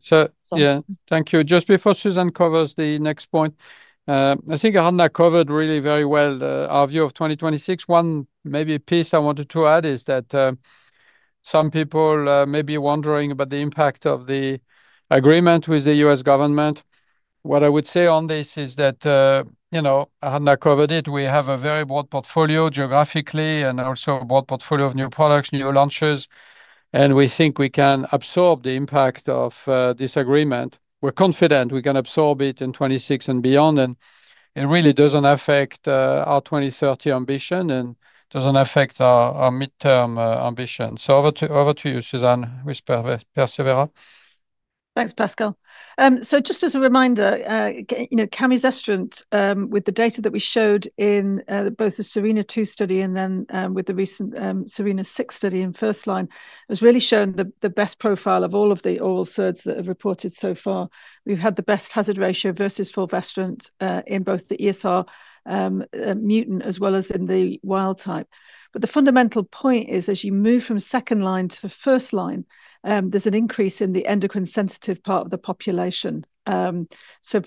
Yeah, thank you. Just before Susan covers the next point. I think Aradhana covered really very well our view of 2026. One, maybe a piece I wanted to add is that some people may be wondering about the impact of the agreement with the U.S. government. What I would say on this is that Aradhana covered it. We have a very broad portfolio geographically and also a broad portfolio of new products, new launches. We think we can absorb the impact of this agreement. We're confident we can absorb it in 2026 and beyond. It really doesn't affect our 2030 ambition and doesn't affect our midterm ambition. Over to you, Susan, with persevERA. Thanks, Pascal. Just as a reminder, camizestrant, with the data that we showed in both the SERENA-2 study and then with the recent SERENA-6 study in first line, has really shown the best profile of all of the oral SERDs that have reported so far. We've had the best hazard ratio versus fulvestrant in both the ESR1 mutant as well as in the wild type. The fundamental point is, as you move from second line to first line, there's an increase in the endocrine-sensitive part of the population. For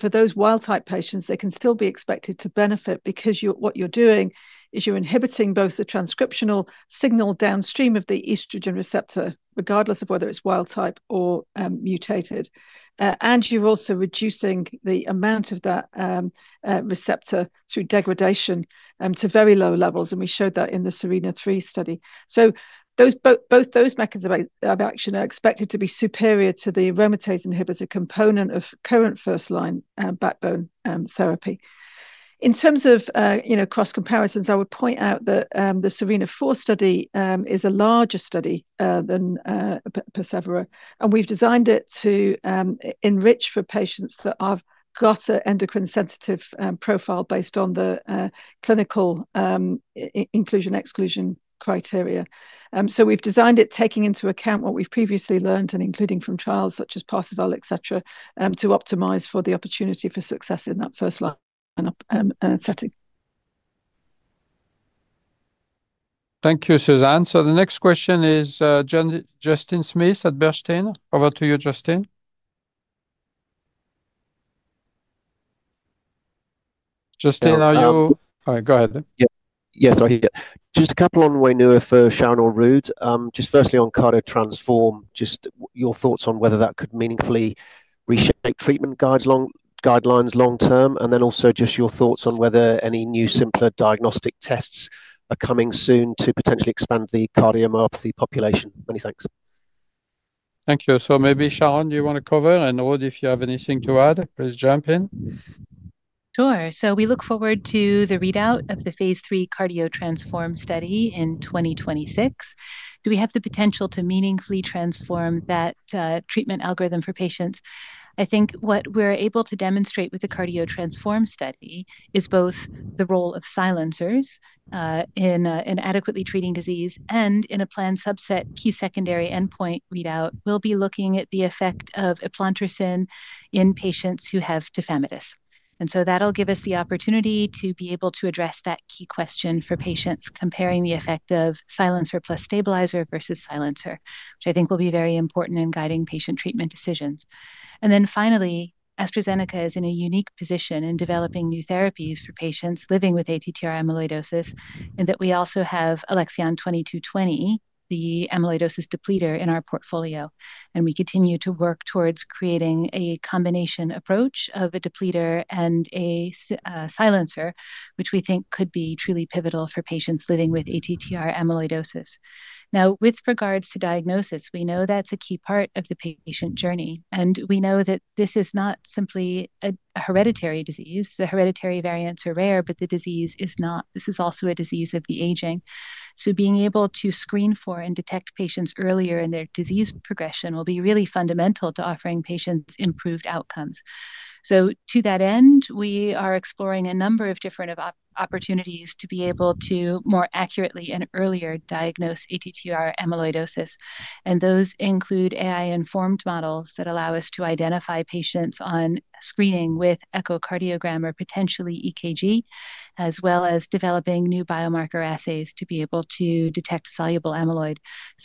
those wild type patients, they can still be expected to benefit because what you're doing is you're inhibiting both the transcriptional signal downstream of the estrogen receptor, regardless of whether it's wild type or mutated. You're also reducing the amount of that receptor through degradation to very low levels. We showed that in the Serena-3 study. Both those mechanisms of action are expected to be superior to the aromatase inhibitor component of current first line backbone therapy. In terms of cross comparisons, I would point out that the Serena-4 study is a larger study than persevERA. We have designed it to enrich for patients that have got an endocrine-sensitive profile based on the clinical inclusion-exclusion criteria. We have designed it taking into account what we have previously learned and including from trials such as persevERA, etc., to optimize for the opportunity for success in that first line setting. Thank you, Susan. The next question is. Justin Smith at Bernstein. Over to you, Justin. Justin, are you? All right, go ahead. Yes, I'm here. Just a couple on WAINUA for Sharon or Ruud. Just firstly on CARDIO-TTRansform, just your thoughts on whether that could meaningfully reshape treatment guidelines long term, and then also just your thoughts on whether any new simpler diagnostic tests are coming soon to potentially expand the cardiomyopathy population. Many thanks. Thank you. Maybe Sharon do you want to cover? Ruud, if you have anything to add, please jump in. Sure. We look forward to the readout of the phase III CARDIO-TTRansform study in 2026. Do we have the potential to meaningfully transform that treatment algorithm for patients? I think what we're able to demonstrate with the CARDIO-TTRansform study is both the role of silencers in adequately treating disease and in a planned subset key secondary endpoint readout, we'll be looking at the effect of iplantosin in patients who have tafamidis. That will give us the opportunity to be able to address that key question for patients comparing the effect of silencer plus stabilizer versus silencer, which I think will be very important in guiding patient treatment decisions. Finally, AstraZeneca is in a unique position in developing new therapies for patients living with ATTR amyloidosis in that we also have ALXN2220, the amyloidosis depleter, in our portfolio. We continue to work towards creating a combination approach of a depleter and a silencer, which we think could be truly pivotal for patients living with ATTR amyloidosis. Now, with regards to diagnosis, we know that's a key part of the patient journey. We know that this is not simply a hereditary disease. The hereditary variants are rare, but the disease is not. This is also a disease of the aging. Being able to screen for and detect patients earlier in their disease progression will be really fundamental to offering patients improved outcomes. To that end, we are exploring a number of different opportunities to be able to more accurately and earlier diagnose ATTR amyloidosis. Those include AI-informed models that allow us to identify patients on screening with echocardiogram or potentially EKG, as well as developing new biomarker assays to be able to detect soluble amyloid.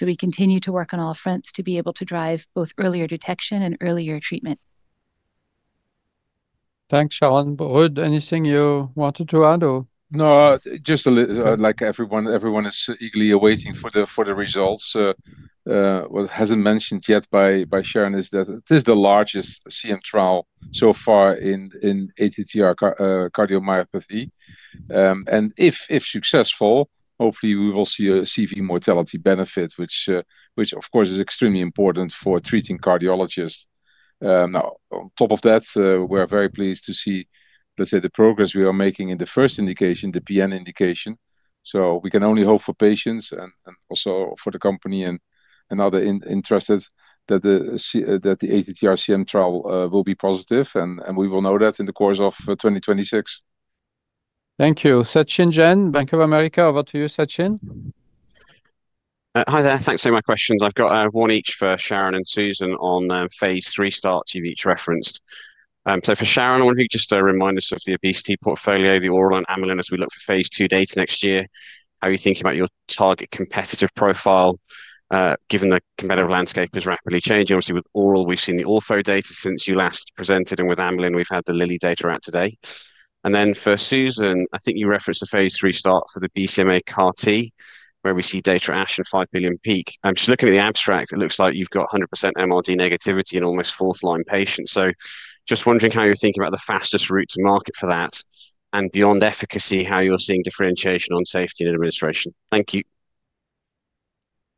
We continue to work on all fronts to be able to drive both earlier detection and earlier treatment. Thanks, Sharon. Ruud, anything you wanted to add or? No, just like everyone, everyone is eagerly awaiting for the results. What has not been mentioned yet by Sharon is that this is the largest CM trial so far in ATTR cardiomyopathy. If successful, hopefully, we will see a CV mortality benefit, which, of course, is extremely important for treating cardiologists. On top of that, we are very pleased to see, let's say, the progress we are making in the first indication, the PN indication. We can only hope for patients and also for the company and other interested that the ATTR CM trial will be positive. We will know that in the course of 2026. Thank you. Sachin Jain, Bank of America, over to you, Sachin. Hi, there. Thanks for my questions. I've got one each for Sharon and Susan on phase III starts you've each referenced. For Sharon, I want to just remind us of the obesity portfolio, the oral and amylin, as we look for phase II data next year. How are you thinking about your target competitive profile given the competitive landscape is rapidly changing? Obviously, with oral, we've seen the ortho data since you last presented. With amylin, we've had the Lilly data out today. For Susan, I think you referenced the phase III start for the BCMA CAR-T, where we see data at ASH and $5 billion peak. I'm just looking at the abstract. It looks like you've got 100% MRD negativity in almost fourth-line patients. Just wondering how you're thinking about the fastest route to market for that. Beyond efficacy, how you're seeing differentiation on safety and administration. Thank you.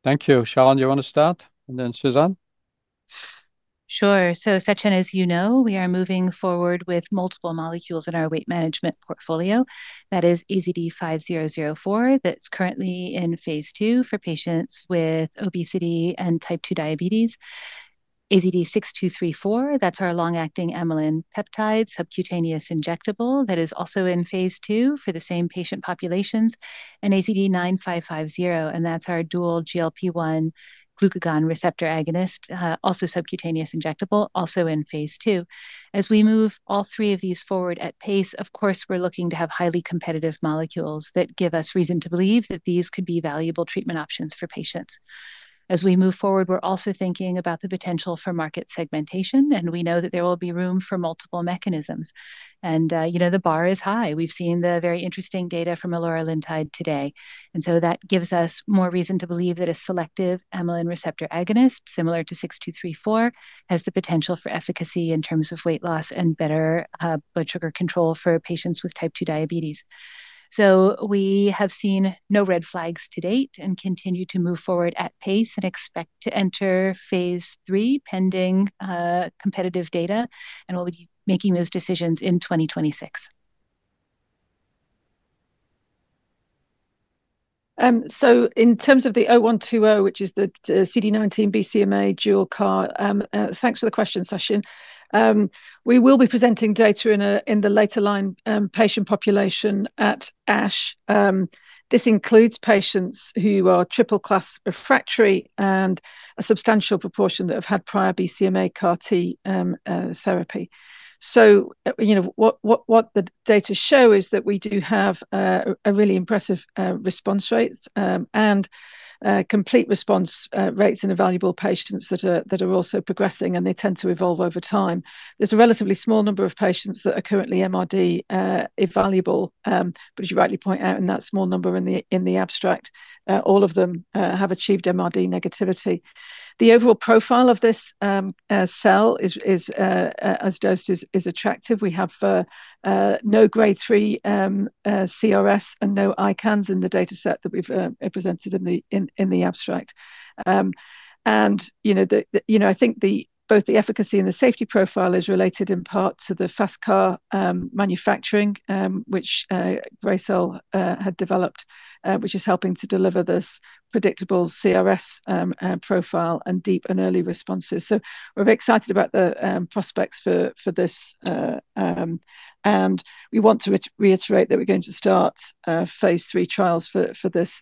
Thank you. Sharon, do you want to start? And then Susan? Sure. Sachin, as you know, we are moving forward with multiple molecules in our weight management portfolio. That is AZD5004 that is currently in phase II for patients with obesity and type 2 diabetes. AZD6234, that is our long-acting amylin peptide subcutaneous injectable that is also in phase II for the same patient populations. AZD-9550, and that is our dual GLP-1 glucagon receptor agonist, also subcutaneous injectable, also in phase II. As we move all three of these forward at pace, of course, we are looking to have highly competitive molecules that give us reason to believe that these could be valuable treatment options for patients. As we move forward, we are also thinking about the potential for market segmentation. We know that there will be room for multiple mechanisms. The bar is high. We have seen the very interesting data from Alora Lintide today. That gives us more reason to believe that a selective amylin receptor agonist, similar to 6234, has the potential for efficacy in terms of weight loss and better blood sugar control for patients with type 2 diabetes. We have seen no red flags to date and continue to move forward at pace and expect to enter phase III pending competitive data and will be making those decisions in 2026. In terms of the 0120, which is the CD19 BCMA dual CAR, thanks for the question, Sachin. We will be presenting data in the later line patient population at ASH. This includes patients who are triple-class refractory and a substantial proportion that have had prior BCMA CAR-T therapy. What the data show is that we do have a really impressive response rates and. Complete response rates in evaluable patients that are also progressing, and they tend to evolve over time. There's a relatively small number of patients that are currently MRD evaluable, but as you rightly point out, in that small number in the abstract, all of them have achieved MRD negativity. The overall profile of this cell as dosed is attractive. We have no Grade 3 CRS and no ICANS in the dataset that we've presented in the abstract. I think both the efficacy and the safety profile is related in part to the FasTCAR Manufacturing, which Gracell had developed, which is helping to deliver this predictable CRS profile and deep and early responses. We are very excited about the prospects for this. We want to reiterate that we're going to start phase III trials for this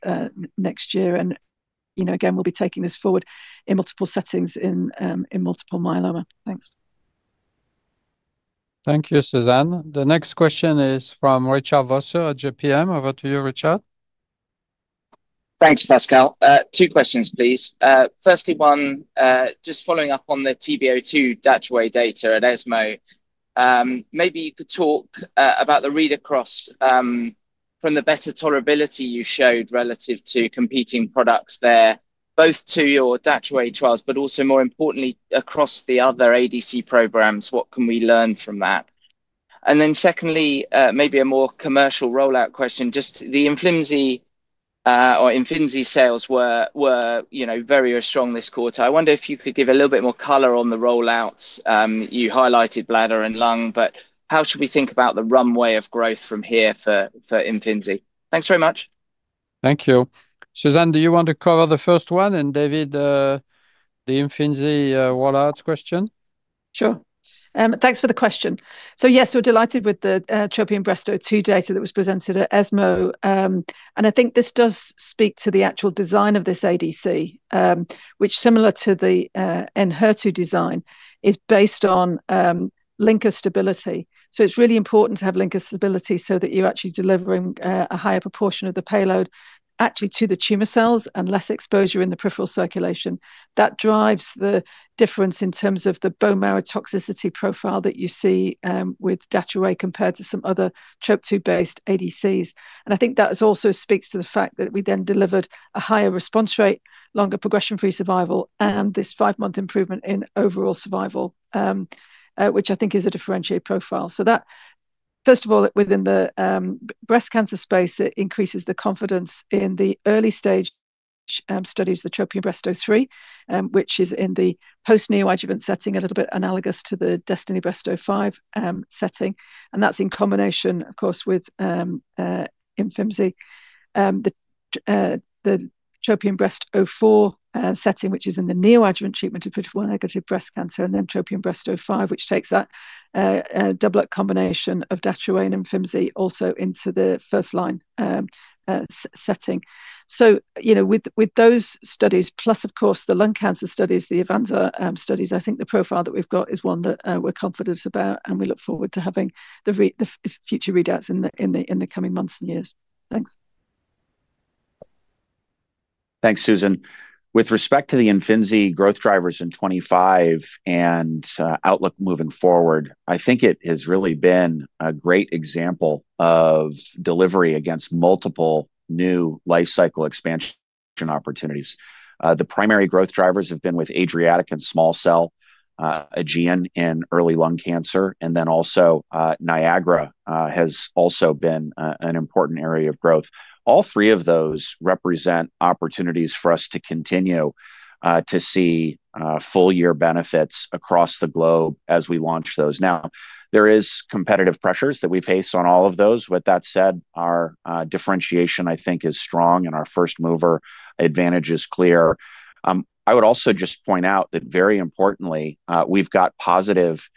next year. We'll be taking this forward in multiple settings in multiple myeloma. Thanks. Thank you, Susan. The next question is from Richard Vosser at JPMorgan. Over to you, Richard. Thanks, Pascal. Two questions, please. Firstly, one, just following up on the Dato-DXd data at ESMO. Maybe you could talk about the read across. From the better tolerability you showed relative to competing products there, both to your Dato-DXd trials, but also, more importantly, across the other ADC programs, what can we learn from that? Secondly, maybe a more commercial rollout question. Just the Imfinzi. Imfinzi sales were very, very strong this quarter. I wonder if you could give a little bit more color on the rollouts. You highlighted bladder and lung, but how should we think about the runway of growth from here for Imfinzi? Thanks very much. Thank you. Susan, do you want to cover the first one? And David. The Imfinzi rollout question? Sure. Thanks for the question. Yes, we're delighted with the TROPION-Breast02 data that was presented at ESMO. I think this does speak to the actual design of this ADC, which, similar to the Enhertu design, is based on linker stability. It is really important to have linker stability so that you're actually delivering a higher proportion of the payload to the tumor cells and less exposure in the peripheral circulation. That drives the difference in terms of the bone marrow toxicity profile that you see with Datroway compared to some other TROP2-based ADCs. I think that also speaks to the fact that we then delivered a higher response rate, longer progression-free survival, and this five-month improvement in overall survival, which I think is a differentiated profile. First of all, within the breast cancer space, it increases the confidence in the early stage. Studies, the TROPION-Breast03, which is in the post-neoadjuvant setting, a little bit analogous to the DESTINY-Breast05 setting. That is in combination, of course, with Imfinzi. The TROPION-Breast04 setting, which is in the neoadjuvant treatment of PD-L1-negative breast cancer, and then TROPION-Breast05, which takes that double-up combination of Datroway and Imfinzi also into the first-line setting. With those studies, plus, of course, the lung cancer studies, the EVANSA studies, I think the profile that we've got is one that we're confident about, and we look forward to having the future readouts in the coming months and years. Thanks. Thanks, Susan. With respect to the Imfinzi growth drivers in 2025 and outlook moving forward, I think it has really been a great example of delivery against multiple new life cycle expansion opportunities. The primary growth drivers have been with ADRIATIC and small cell. AEGEAN in early lung cancer, and then also, NIAGARA has also been an important area of growth. All three of those represent opportunities for us to continue to see full-year benefits across the globe as we launch those. Now, there are competitive pressures that we face on all of those. With that said, our differentiation, I think, is strong, and our first-mover advantage is clear. I would also just point out that, very importantly, we've got positive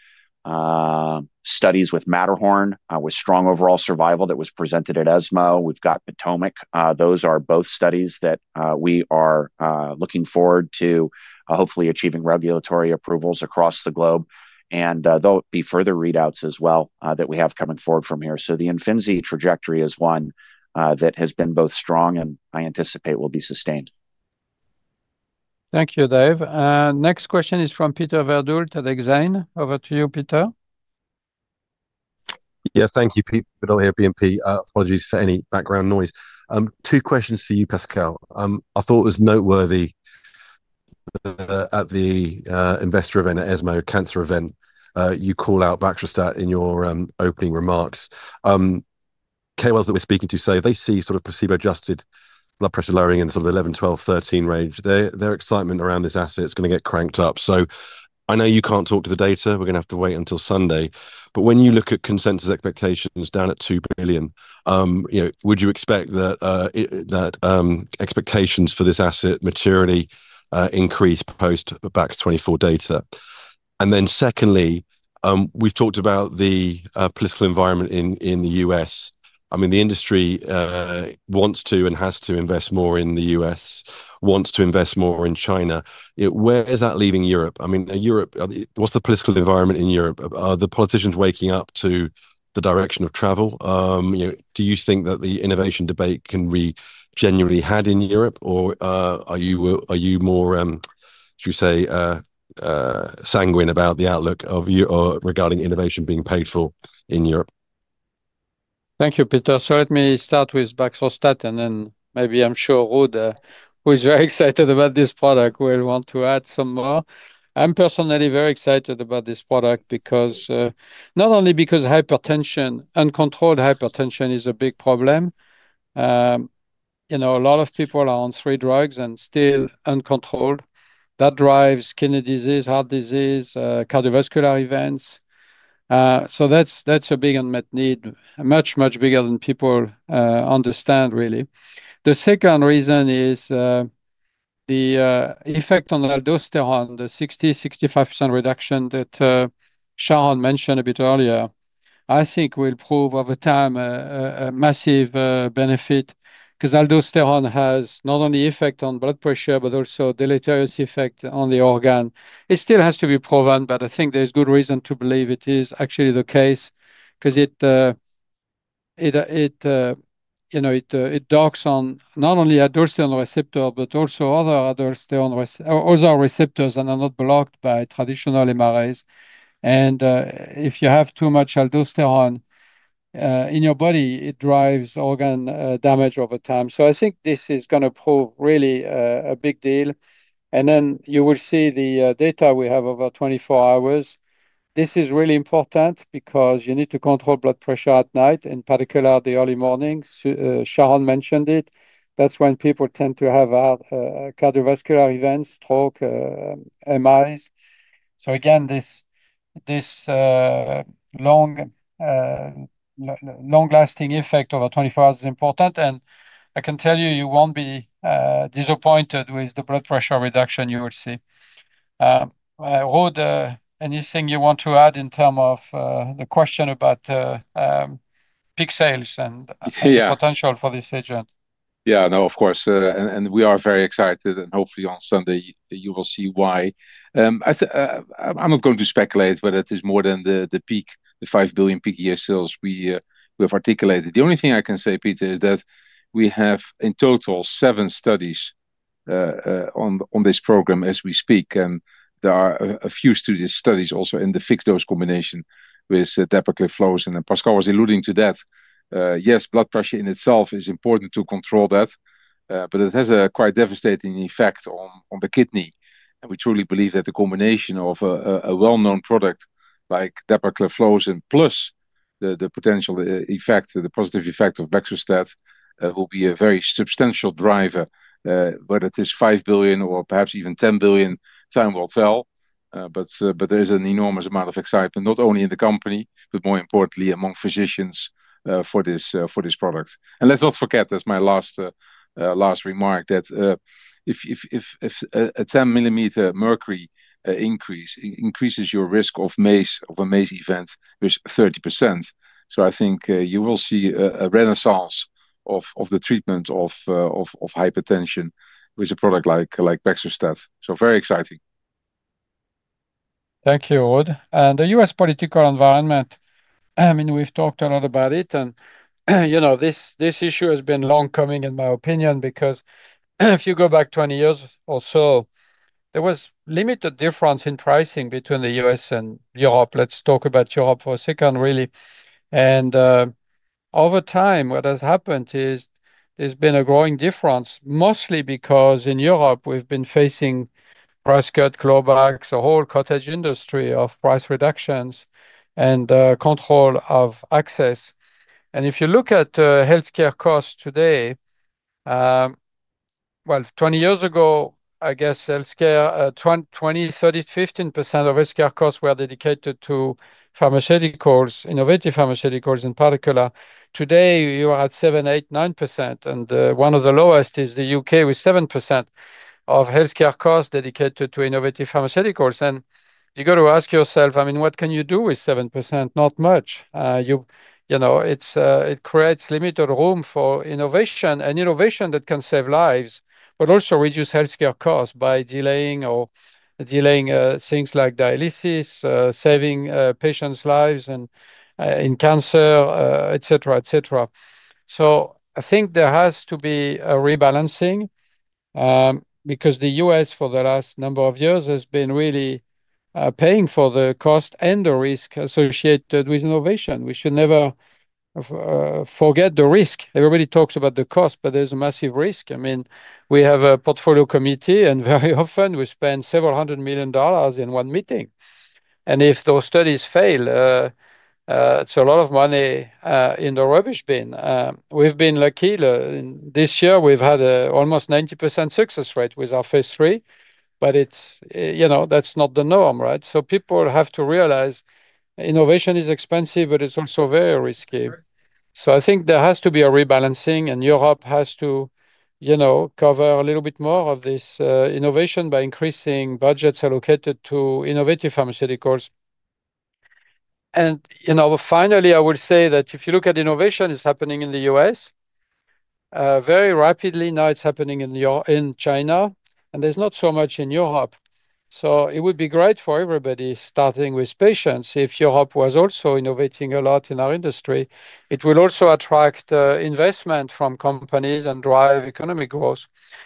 studies with MATTERHORN, with strong overall survival that was presented at ESMO. We've got POTOMAC. Those are both studies that we are looking forward to hopefully achieving regulatory approvals across the globe. There will be further readouts as well that we have coming forward from here. The Imfinzi trajectory is one that has been both strong and I anticipate will be sustained. Thank you, Dave. Next question is from Peter Verdult at Exane. Over to you, Peter. Yeah, thank you, Peter. Apologies for any background noise. Two questions for you, Pascal. I thought it was noteworthy. At the investor event at ESMO, cancer event, you call out Baxdrostat in your opening remarks. KOLs that we're speaking to say they see sort of placebo-adjusted blood pressure lowering in the sort of 11, 12, 13 range. Their excitement around this asset is going to get cranked up. I know you can't talk to the data. We're going to have to wait until Sunday. When you look at consensus expectations down at $2 billion, would you expect that. Expectations for this asset maturity increase post-Bax24 data? Secondly, we've talked about the political environment in the U.S. I mean, the industry wants to and has to invest more in the U.S., wants to invest more in China. Where is that leaving Europe? I mean, what's the political environment in Europe? Are the politicians waking up to the direction of travel? Do you think that the innovation debate can be genuinely had in Europe, or are you more, shall we say, sanguine about the outlook regarding innovation being paid for in Europe? Thank you, Peter. Let me start with Baxdrostat, and then maybe I'm sure Ruud, who is very excited about this product, will want to add some more. I'm personally very excited about this product not only because hypertension, uncontrolled hypertension, is a big problem. A lot of people are on three drugs and still uncontrolled. That drives kidney disease, heart disease, cardiovascular events. That is a big unmet need, much, much bigger than people understand, really. The second reason is the effect on aldosterone, the 60%-65% reduction that Sharon mentioned a bit earlier. I think will prove over time a massive benefit because aldosterone has not only an effect on blood pressure but also a deleterious effect on the organ. It still has to be proven, but I think there's good reason to believe it is actually the case because. It docks on not only aldosterone receptor but also other aldosterone receptors that are not blocked by traditional MRAs. If you have too much aldosterone in your body, it drives organ damage over time. I think this is going to prove really a big deal. You will see the data we have over 24 hours. This is really important because you need to control blood pressure at night, in particular the early morning. Sharon mentioned it. That's when people tend to have cardiovascular events, stroke, MIs. This long-lasting effect over 24 hours is important. I can tell you, you won't be disappointed with the blood pressure reduction you will see. Ruud, anything you want to add in terms of the question about pixels and potential for this agent? Yeah, no, of course. We are very excited. Hopefully, on Sunday, you will see why. I'm not going to speculate whether it is more than the peak, the $5 billion peak year sales we have articulated. The only thing I can say, Peter, is that we have in total seven studies on this program as we speak. There are a few studies also in the fixed-dose combination with dapagliflozin. Pascal was alluding to that. Yes, blood pressure in itself is important to control, but it has a quite devastating effect on the kidney. We truly believe that the combination of a well-known product like dapagliflozin plus the potential effect, the positive effect of Baxdrostat, will be a very substantial driver. Whether it is $5 billion or perhaps even $10 billion, time will tell. There is an enormous amount of excitement, not only in the company, but more importantly, among physicians for this product. Let's not forget, that is my last remark, that if a 10 millimeter mercury increase increases your risk of a Mace event by 30%. I think you will see a renaissance of the treatment of hypertension with a product like Baxdrostat. Very exciting. Thank you, Ruud. The U.S. political environment. I mean, we've talked a lot about it. This issue has been long coming, in my opinion, because if you go back 20 years or so, there was a limited difference in pricing between the U.S. and Europe. Let's talk about Europe for a second, really. Over time, what has happened is there's been a growing difference, mostly because in Europe, we've been facing price cut, clawbacks, a whole cottage industry of price reductions and control of access. If you look at healthcare costs today, 20 years ago, I guess 15% of healthcare costs were dedicated to pharmaceuticals, innovative pharmaceuticals in particular. Today, you are at 7%-9%. One of the lowest is the U.K. with 7% of healthcare costs dedicated to innovative pharmaceuticals. You got to ask yourself, I mean, what can you do with 7%? Not much. It creates limited room for innovation and innovation that can save lives, but also reduce healthcare costs by delaying things like dialysis, saving patients' lives in cancer, et cetera, et cetera. I think there has to be a rebalancing. Because the U.S., for the last number of years, has been really paying for the cost and the risk associated with innovation. We should never forget the risk. Everybody talks about the cost, but there's a massive risk. I mean, we have a portfolio committee, and very often, we spend several hundred million dollars in one meeting. If those studies fail, it's a lot of money in the rubbish bin. We've been lucky. This year, we've had almost 90% success rate with our phase III, but that's not the norm, right? People have to realize innovation is expensive, but it's also very risky. I think there has to be a rebalancing, and Europe has to cover a little bit more of this innovation by increasing budgets allocated to innovative pharmaceuticals. Finally, I will say that if you look at innovation, it's happening in the U.S. very rapidly now, it's happening in China, and there's not so much in Europe. It would be great for everybody, starting with patients, if Europe was also innovating a lot in our industry. It will also attract investment from companies and drive economic growth.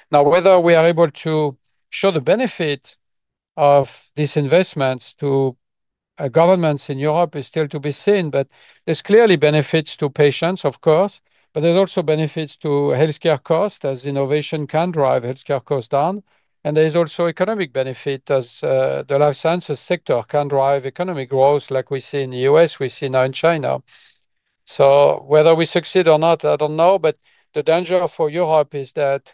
Now, whether we are able to show the benefit of these investments to governments in Europe is still to be seen, but there's clearly benefits to patients, of course, but there's also benefits to healthcare costs as innovation can drive healthcare costs down. There is also economic benefit as the life sciences sector can drive economic growth like we see in the U.S., we see now in China. Whether we succeed or not, I do not know, but the danger for Europe is that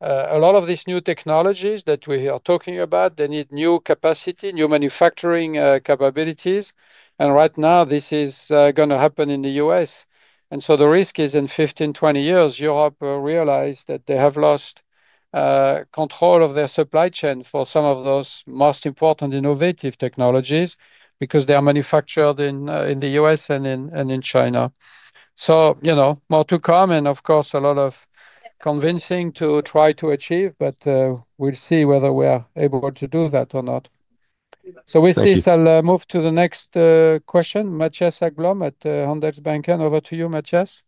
a lot of these new technologies that we are talking about, they need new capacity, new manufacturing capabilities. Right now, this is going to happen in the U.S.. The risk is in 15-20 years, Europe realizes that they have lost control of their supply chain for some of those most important innovative technologies because they are manufactured in the U.S. and in China. More to come and, of course, a lot of convincing to try to achieve, but we will see whether we are able to do that or not. With this, I will move to the next question, Mattias Häggblom at Handelsbanken. Over to you, Mattias.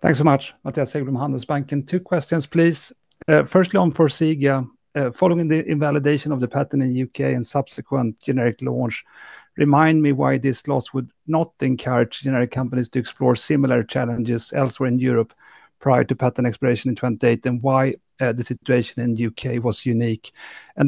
Thanks so much, Mattias Häggblom, Handelsbanken. Two questions, please. Firstly, on Forxiga, following the invalidation of the patent in the U.K. and subsequent generic launch, remind me why this loss would not encourage generic companies to explore similar challenges elsewhere in Europe prior to patent expiration in 2028 and why the situation in the U.K. was unique.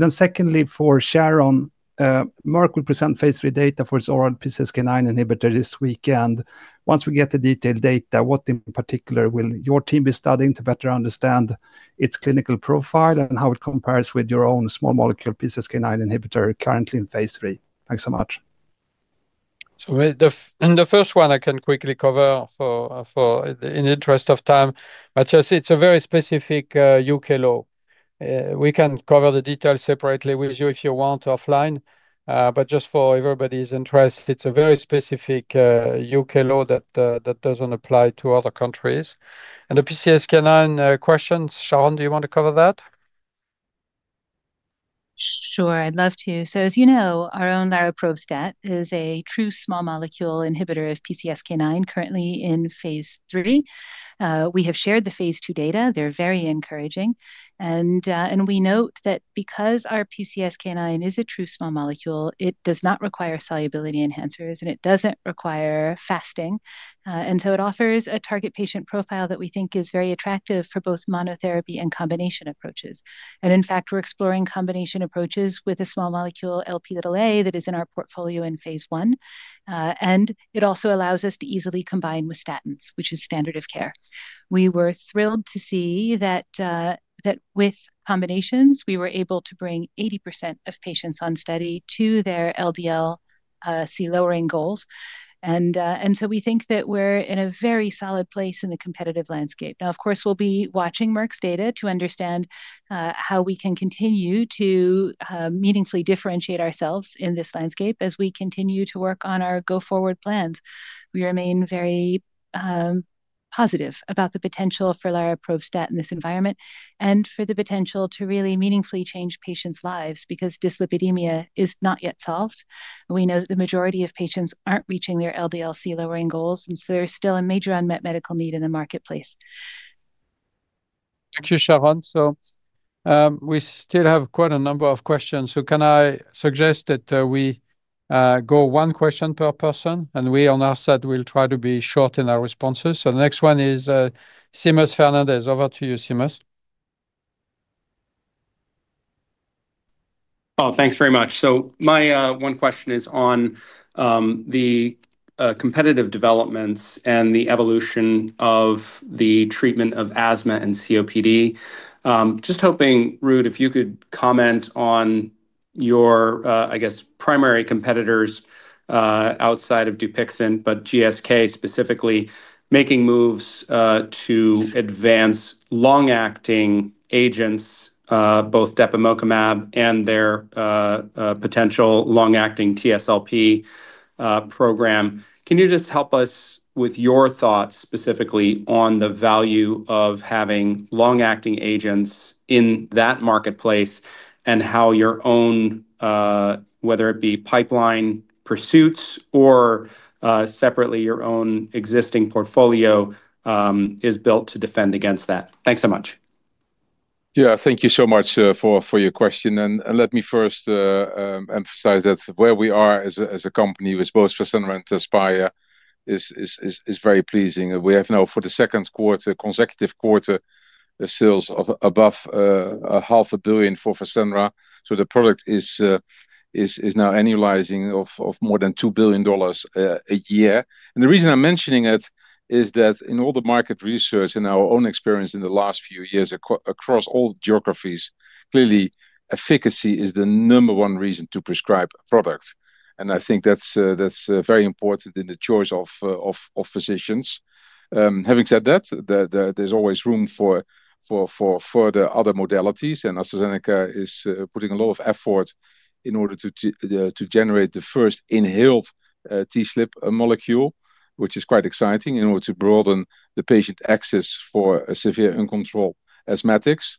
Secondly, for Sharon. Merck will present phase III data for its oral PCSK9 inhibitor this weekend. Once we get the detailed data, what in particular will your team be studying to better understand its clinical profile and how it compares with your own small molecule PCSK9 inhibitor currently in phase III? Thanks so much. In the first one, I can quickly cover. In the interest of time, Matthias, it's a very specific U.K. law. We can cover the details separately with you if you want offline, but just for everybody's interest, it's a very specific U.K. law that doesn't apply to other countries. The PCSK9 questions, Sharon, do you want to cover that? Sure, I'd love to. As you know, our own Laroprobstat is a true small molecule inhibitor of PCSK9 currently in phase III. We have shared the phase two data. They're very encouraging. We note that because our PCSK9 is a true small molecule, it does not require solubility enhancers, and it doesn't require fasting. It offers a target patient profile that we think is very attractive for both monotherapy and combination approaches. In fact, we're exploring combination approaches with a small molecule Lp(a) that is in our portfolio in phase I. It also allows us to easily combine with statins, which is standard of care. We were thrilled to see that with combinations, we were able to bring 80% of patients on study to their LDL-C lowering goals. We think that we're in a very solid place in the competitive landscape. Now, of course, we'll be watching Merck's data to understand how we can continue to meaningfully differentiate ourselves in this landscape as we continue to work on our go-forward plans. We remain very positive about the potential for Laroprovstat in this environment and for the potential to really meaningfully change patients' lives because dyslipidemia is not yet solved. We know that the majority of patients aren't reaching their LDL C lowering goals, and so there's still a major unmet medical need in the marketplace. Thank you, Sharon. We still have quite a number of questions. Can I suggest that we go one question per person, and we on our side will try to be short in our responses. The next one is Seamus Fernandez. Over to you, Seamus. Oh, thanks very much. My one question is on the competitive developments and the evolution of the treatment of asthma and COPD. Just hoping, Ruud, if you could comment on your, I guess, primary competitors outside of Dupixent, but GSK specifically, making moves to advance long-acting agents, both Datopotamab and their potential long-acting TSLP program. Can you just help us with your thoughts specifically on the value of having long-acting agents in that marketplace and how your own, whether it be pipeline pursuits or separately, your own existing portfolio, is built to defend against that? Thanks so much. Yeah, thank you so much for your question. Let me first emphasize that where we are as a company with both Fasenra and Tezspire is very pleasing. We have now, for the second consecutive quarter, sales above $500,000,000 for Fasenra. The product is now annualizing at more than $2 billion a year. The reason I'm mentioning it is that in all the market research and our own experience in the last few years across all geographies, clearly, efficacy is the number one reason to prescribe a product. I think that's very important in the choice of physicians. Having said that, there's always room for further other modalities. AstraZeneca is putting a lot of effort in order to generate the first inhaled T-slip molecule, which is quite exciting in order to broaden the patient access for severe uncontrolled asthmatics.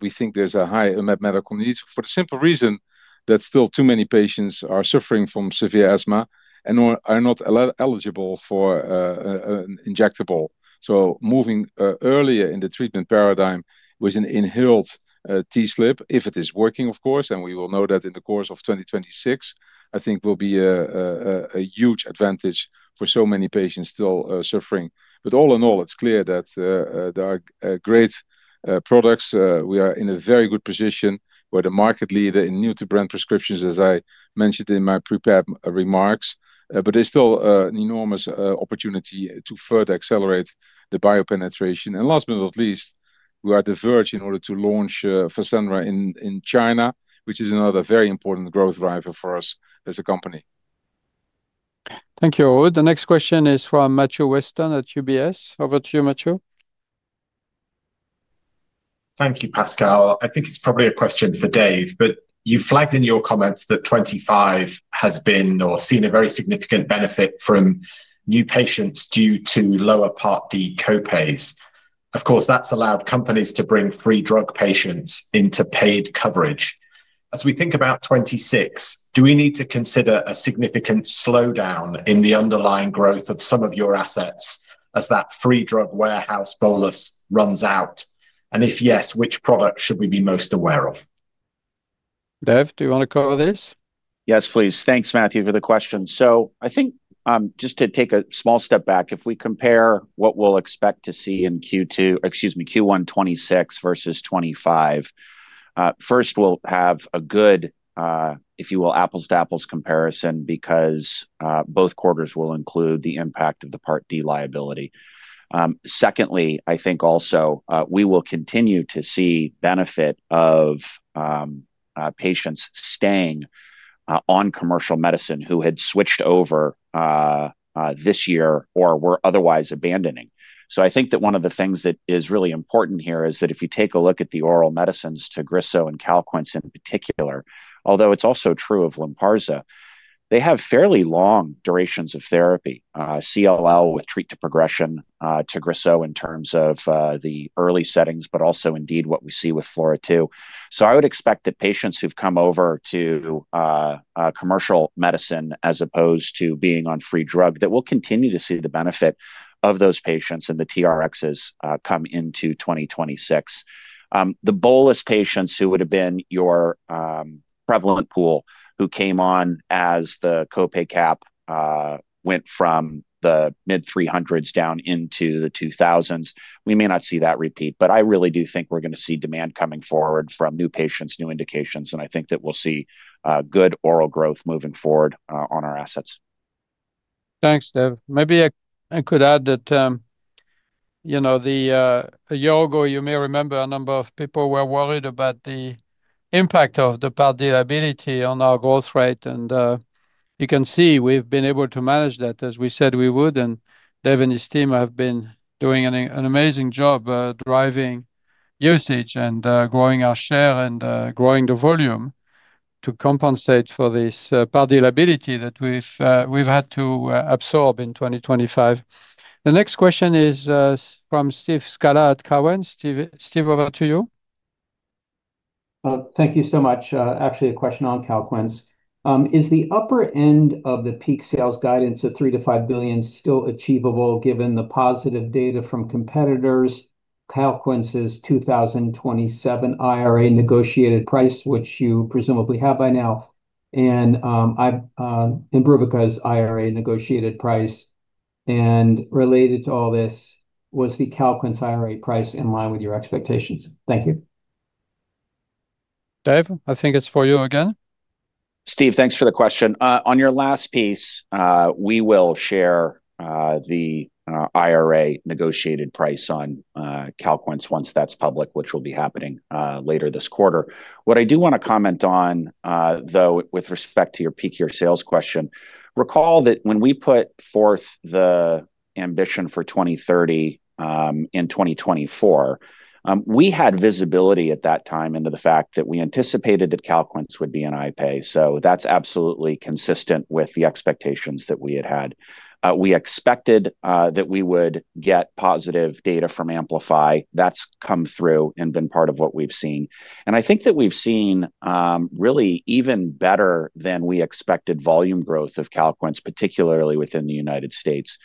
We think there's a high medical need for the simple reason that still too many patients are suffering from severe asthma and are not eligible for an injectable. Moving earlier in the treatment paradigm with an inhaled Tezspire, if it is working, of course, and we will know that in the course of 2026, I think will be a huge advantage for so many patients still suffering. All in all, it's clear that there are great products. We are in a very good position. We're the market leader in new-to-brand prescriptions, as I mentioned in my prepared remarks. There's still an enormous opportunity to further accelerate the bio-penetration. Last but not least, we are on the verge in order to launch Fasenra in China, which is another very important growth driver for us as a company. Thank you, Ruud. The next question is from Matthew Weston at UBS. Over to you, Matthew. Thank you, Pascal. I think it's probably a question for Dave, but you flagged in your comments that 2025 has been or seen a very significant benefit from new patients due to lower Part D copays. Of course, that's allowed companies to bring free drug patients into paid coverage. As we think about 2026, do we need to consider a significant slowdown in the underlying growth of some of your assets as that free drug warehouse bolus runs out? If yes, which product should we be most aware of? Dave, do you want to cover this? Yes, please. Thanks, Matthew, for the question. I think just to take a small step back, if we compare what we'll expect to see in Q2, excuse me, Q1 2026 versus 2025. First, we'll have a good, if you will, apples-to-apples comparison because both quarters will include the impact of the Part D liability. Secondly, I think also we will continue to see benefit of patients staying on commercial medicine who had switched over this year or were otherwise abandoning. I think that one of the things that is really important here is that if you take a look at the oral medicines TAGRISSO and Calquence in particular, although it's also true of Lynparza, they have fairly long durations of therapy, CLL with treat to progression, TAGRISSO in terms of the early settings, but also indeed what we see with FLAURA too. I would expect that patients who've come over to commercial medicine as opposed to being on free drug, that we'll continue to see the benefit of those patients and the TRXs come into 2026. The bolus patients who would have been your prevalent pool who came on as the copay cap went from the mid-300s down into the 2000s, we may not see that repeat, but I really do think we're going to see demand coming forward from new patients, new indications, and I think that we'll see good oral growth moving forward on our assets. Thanks, Dave. Maybe I could add that. You may remember a number of people were worried about the impact of the Part D liability on our growth rate. You can see we've been able to manage that as we said we would. Dave and his team have been doing an amazing job driving usage and growing our share and growing the volume to compensate for this Part D liability that we've had to absorb in 2025. The next question is from Steve Scala at Cowen. Steve, over to you. Thank you so much. Actually, a question on Calquence. Is the upper end of the peak sales guidance of $3 billion-$5 billion still achievable given the positive data from competitors? Calquence's 2027 IRA negotiated price, which you presumably have by now, and Imbruvica's IRA negotiated price. Related to all this, was the Calquence IRA price in line with your expectations? Thank you. Dave, I think it's for you again. Steve, thanks for the question. On your last piece, we will share the IRA negotiated price on Calquence once that's public, which will be happening later this quarter. What I do want to comment on, though, with respect to your peak year sales question, recall that when we put forth the ambition for 2030 in 2024, we had visibility at that time into the fact that we anticipated that Calquence would be an IPA. That's absolutely consistent with the expectations that we had had. We expected that we would get positive data from AMPLIFY. That's come through and been part of what we've seen. I think that we've seen really even better than we expected volume growth of Calquence, particularly within the United States.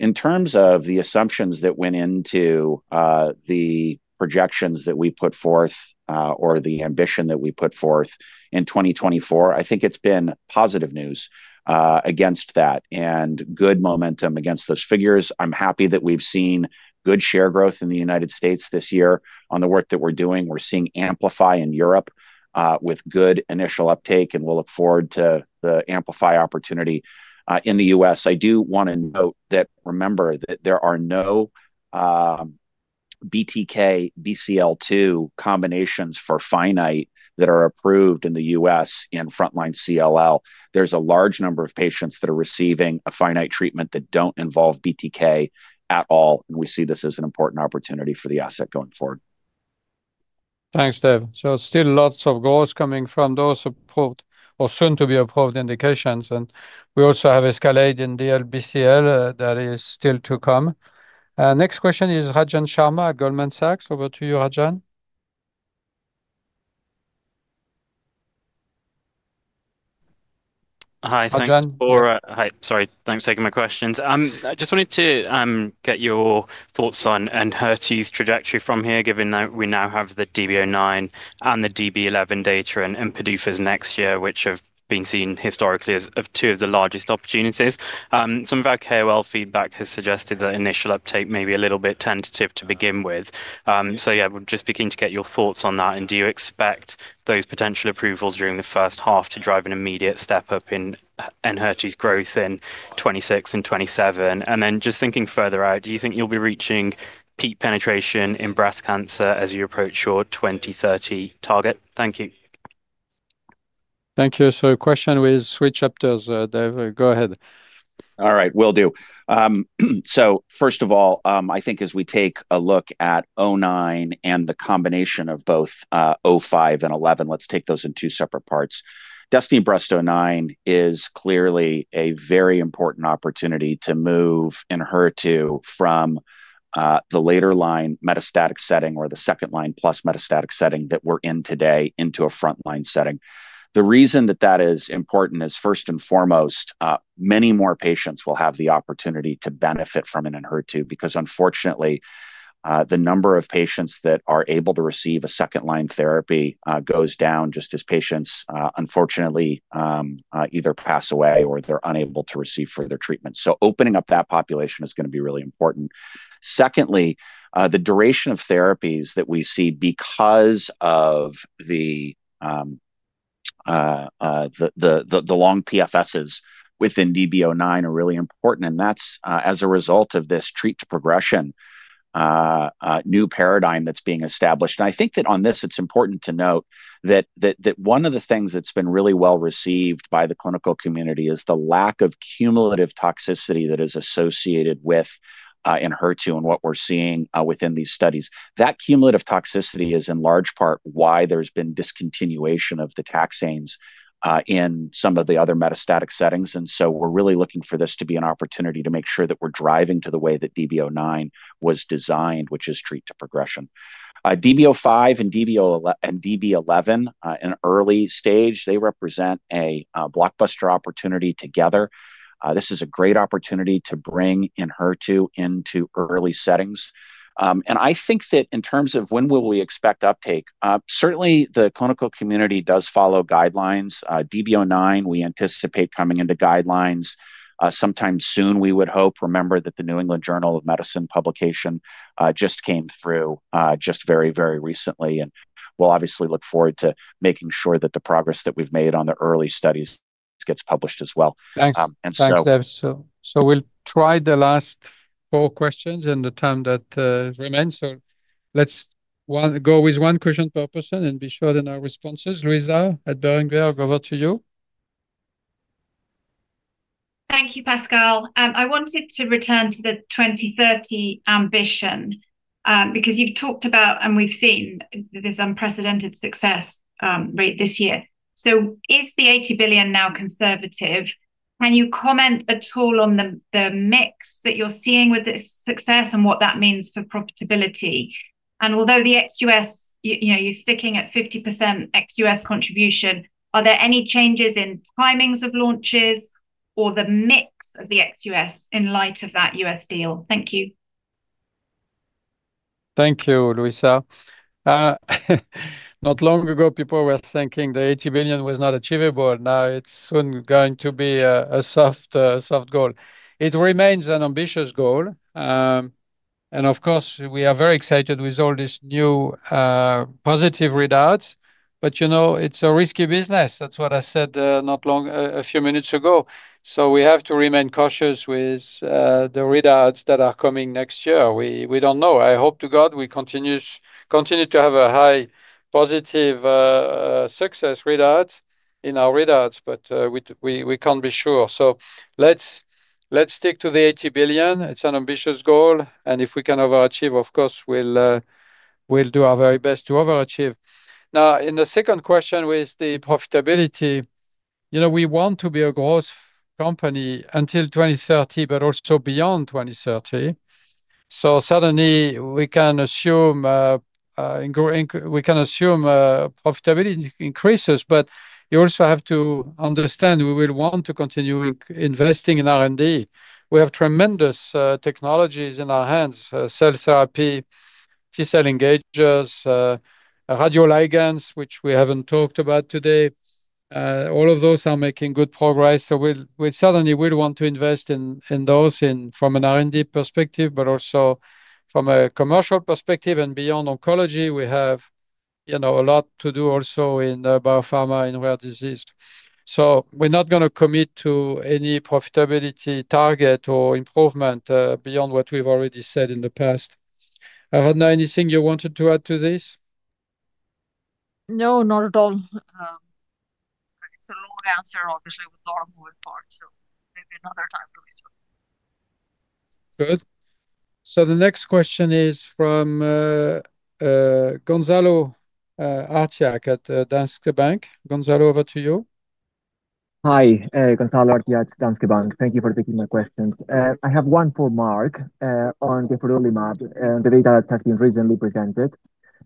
In terms of the assumptions that went into. The projections that we put forth or the ambition that we put forth in 2024, I think it's been positive news against that and good momentum against those figures. I'm happy that we've seen good share growth in the United States this year on the work that we're doing. We're seeing AMPLIFY in Europe with good initial uptake, and we'll look forward to the AMPLIFY opportunity in the U.S. I do want to note that remember that there are no BTK, BCL2 combinations for finite that are approved in the U.S. in frontline CLL. There's a large number of patients that are receiving a finite treatment that don't involve BTK at all. We see this as an important opportunity for the asset going forward. Thanks, Dave. Still lots of growth coming from those approved or soon to be approved indications. We also have escalate in the LBCL that is still to come. Next question is Rajan Sharma at Goldman Sachs. Over to you, Rajan. Hi, thanks for, hi, sorry, thanks for taking my questions. I just wanted to get your thoughts on Enhertu's trajectory from here, given that we now have the DB09 and the DB11 data and PDUFA's next year, which have been seen historically as two of the largest opportunities. Some of our KOL feedback has suggested that initial uptake may be a little bit tentative to begin with. Yeah, we'll just be keen to get your thoughts on that. Do you expect those potential approvals during the first half to drive an immediate step up in Enhertu's growth in 2026 and 2027? Just thinking further out, do you think you'll be reaching peak penetration in breast cancer as you approach your 2030 target? Thank you. Thank you. Question with switch up to Dave. Go ahead. All right, will do. First of all, I think as we take a look at 09 and the combination of both 05 and 11, let's take those in two separate parts. DESTINY-Breast09 is clearly a very important opportunity to move Enhertu from the later line metastatic setting or the second line plus metastatic setting that we're in today into a frontline setting. The reason that is important is, first and foremost, many more patients will have the opportunity to benefit from an Enhertu because, unfortunately, the number of patients that are able to receive a second line therapy goes down just as patients, unfortunately, either pass away or they're unable to receive further treatment. Opening up that population is going to be really important. Secondly, the duration of therapies that we see because of the long PFSs within DB09 are really important. That is as a result of this treat to progression. New paradigm that is being established. I think that on this, it is important to note that one of the things that has been really well received by the clinical community is the lack of cumulative toxicity that is associated with Enhertu and what we are seeing within these studies. That cumulative toxicity is in large part why there has been discontinuation of the taxanes in some of the other metastatic settings. We are really looking for this to be an opportunity to make sure that we are driving to the way that DB09 was designed, which is treat to progression. DB05 and DB11 in early stage, they represent a blockbuster opportunity together. This is a great opportunity to bring Enhertu into early settings. I think that in terms of when will we expect uptake, certainly the clinical community does follow guidelines. DB09, we anticipate coming into guidelines sometime soon, we would hope. Remember that the New England Journal of Medicine publication just came through just very, very recently. We will obviously look forward to making sure that the progress that we have made on the early studies gets published as well. Thanks. We'll try the last four questions in the time that remains. Let's go with one question per person and be sure in our responses. Luisa Hector at Berenberg, I'll go over to you. Thank you, Pascal. I wanted to return to the 2030 ambition because you've talked about and we've seen this unprecedented success rate this year. Is the $80 billion now conservative? Can you comment at all on the mix that you're seeing with this success and what that means for profitability? Although the XUS, you're sticking at 50% XUS contribution, are there any changes in timings of launches or the mix of the XUS in light of that U.S. deal? Thank you. Thank you, Luisa. Not long ago, people were thinking the $80 billion was not achievable. Now it's soon going to be a soft goal. It remains an ambitious goal. Of course, we are very excited with all this new positive readouts. You know it's a risky business. That's what I said not long a few minutes ago. We have to remain cautious with the readouts that are coming next year. We don't know. I hope to God we continue to have a high positive success readout in our readouts, but we can't be sure. Let's stick to the $80 billion. It's an ambitious goal. If we can overachieve, of course, we'll do our very best to overachieve. Now, in the second question with the profitability, you know we want to be a growth company until 2030, but also beyond 2030. Suddenly we can assume. Profitability increases, but you also have to understand we will want to continue investing in R&D. We have tremendous technologies in our hands: cell therapy, T-cell engagers, radioligands, which we haven't talked about today. All of those are making good progress. Suddenly we'll want to invest in those from an R&D perspective, but also from a commercial perspective and beyond oncology. We have a lot to do also in biopharma in rare disease. We're not going to commit to any profitability target or improvement beyond what we've already said in the past. Aradhana anything you wanted to add to this? No, not at all. It's a long answer, obviously, with all moving parts. Maybe another time to resume. Good. The next question is from Gonzalo Artiach at Danske Bank. Gonzalo, over to you. Hi, Gonzalo Artiach at Danske Bank. Thank you for taking my questions. I have one for Marc. On the Ferroli Map and the data that has been recently presented.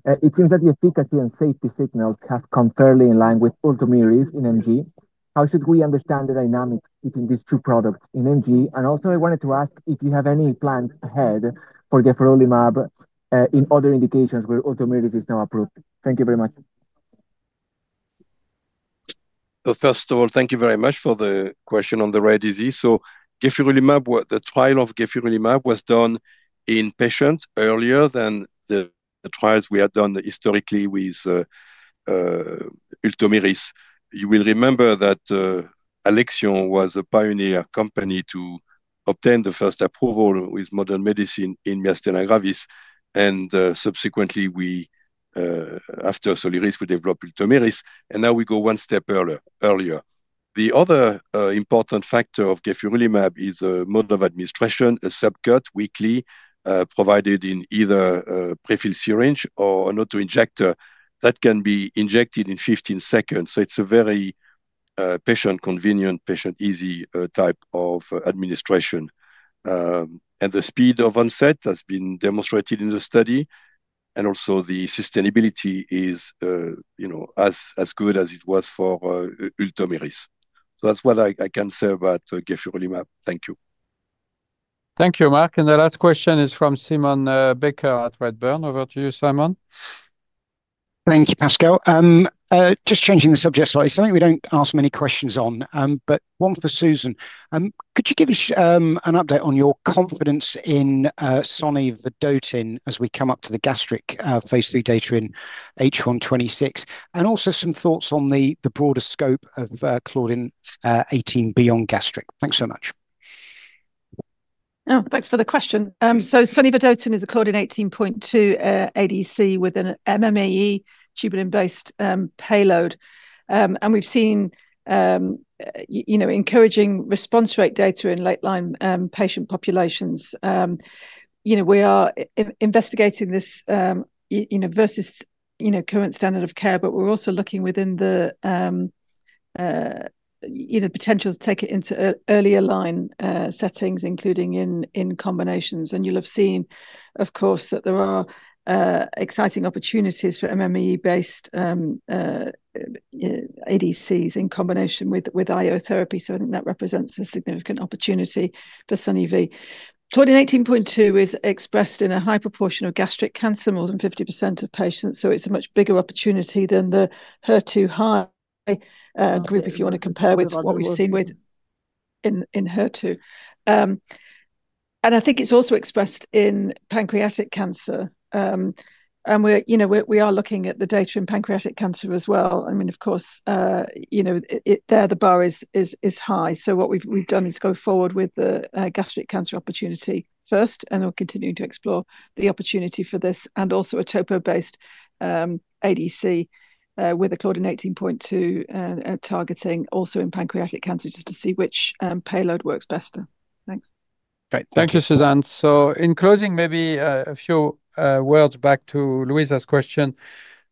It seems that the efficacy and safety signals have come fairly in line with Ultomiris in MG. How should we understand the dynamics between these two products in MG? Also, I wanted to ask if you have any plans ahead for the Ferroli Map in other indications where Ultomiris is now approved. Thank you very much. Thank you very much for the question on the rare disease. The trial of Gefurolimab was done in patients earlier than the trials we had done historically with Ultomiris. You will remember that Alexion was a pioneer company to obtain the first approval with modern medicine in myasthenia gravis. Subsequently, after Soliris, we developed Ultomiris. Now we go one step earlier. The other important factor of Gefurolimab is the mode of administration, a subcut weekly provided in either a prefilled syringe or an autoinjector that can be injected in 15 seconds. It is a very patient convenient, patient easy type of administration. The speed of onset has been demonstrated in the study. Also, the sustainability is as good as it was for Ultomiris. That is what I can say about Gefurolimab. Thank you. Thank you, Marc. The last question is from Simon Baker at Redburn. Over to you, Simon. Thank you, Pascal. Just changing the subject slightly. Something we do not ask many questions on, but one for Susan. Could you give us an update on your confidence in Sonivodotin as we come up to the gastric phase III data in H126? Also, some thoughts on the broader scope of Claudin 18 beyond gastric. Thanks so much. Thanks for the question. Sonivodotin is a Claudin 18.2 ADC with an MMAE tubulin-based payload. We've seen encouraging response rate data in late-line patient populations. We are investigating this versus current standard of care, but we're also looking within the potential to take it into earlier line settings, including in combinations. You'll have seen, of course, that there are exciting opportunities for MMAE-based ADCs in combination with IO Therapy. I think that represents a significant opportunity for Soniv. Claudin 18.2 is expressed in a high proportion of gastric cancer, more than 50% of patients. It's a much bigger opportunity than the HER2 high group, if you want to compare with what we've seen with HER2. I think it's also expressed in pancreatic cancer. We are looking at the data in pancreatic cancer as well. I mean, of course. There the bar is high. What we've done is go forward with the gastric cancer opportunity first, and we're continuing to explore the opportunity for this and also a topo-based ADC with a Claudin 18.2 targeting also in pancreatic cancer just to see which payload works best. Thanks. Thank you, Susan. In closing, maybe a few words back to Luisa's question.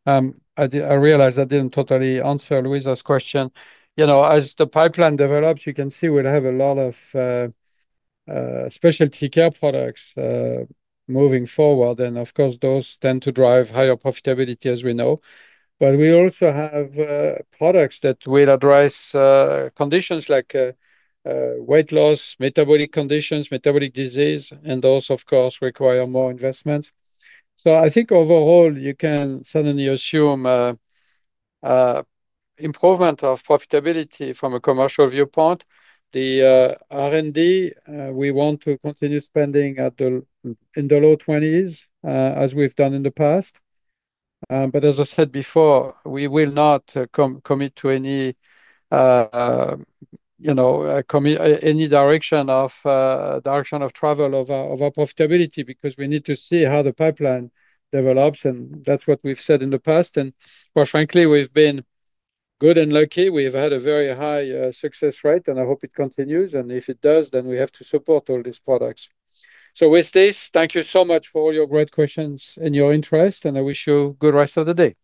I realize I did not totally answer Luisa's question. As the pipeline develops, you can see we will have a lot of specialty care products moving forward. Of course, those tend to drive higher profitability, as we know. We also have products that will address conditions like weight loss, metabolic conditions, metabolic disease, and those, of course, require more investments. I think overall, you can certainly assume improvement of profitability from a commercial viewpoint. The R&D, we want to continue spending in the low 20s as we have done in the past. As I said before, we will not commit to any direction of travel of our profitability because we need to see how the pipeline develops. That is what we have said in the past. Quite frankly, we have been good and lucky. We've had a very high success rate, and I hope it continues. If it does, we have to support all these products. With this, thank you so much for all your great questions and your interest. I wish you a good rest of the day.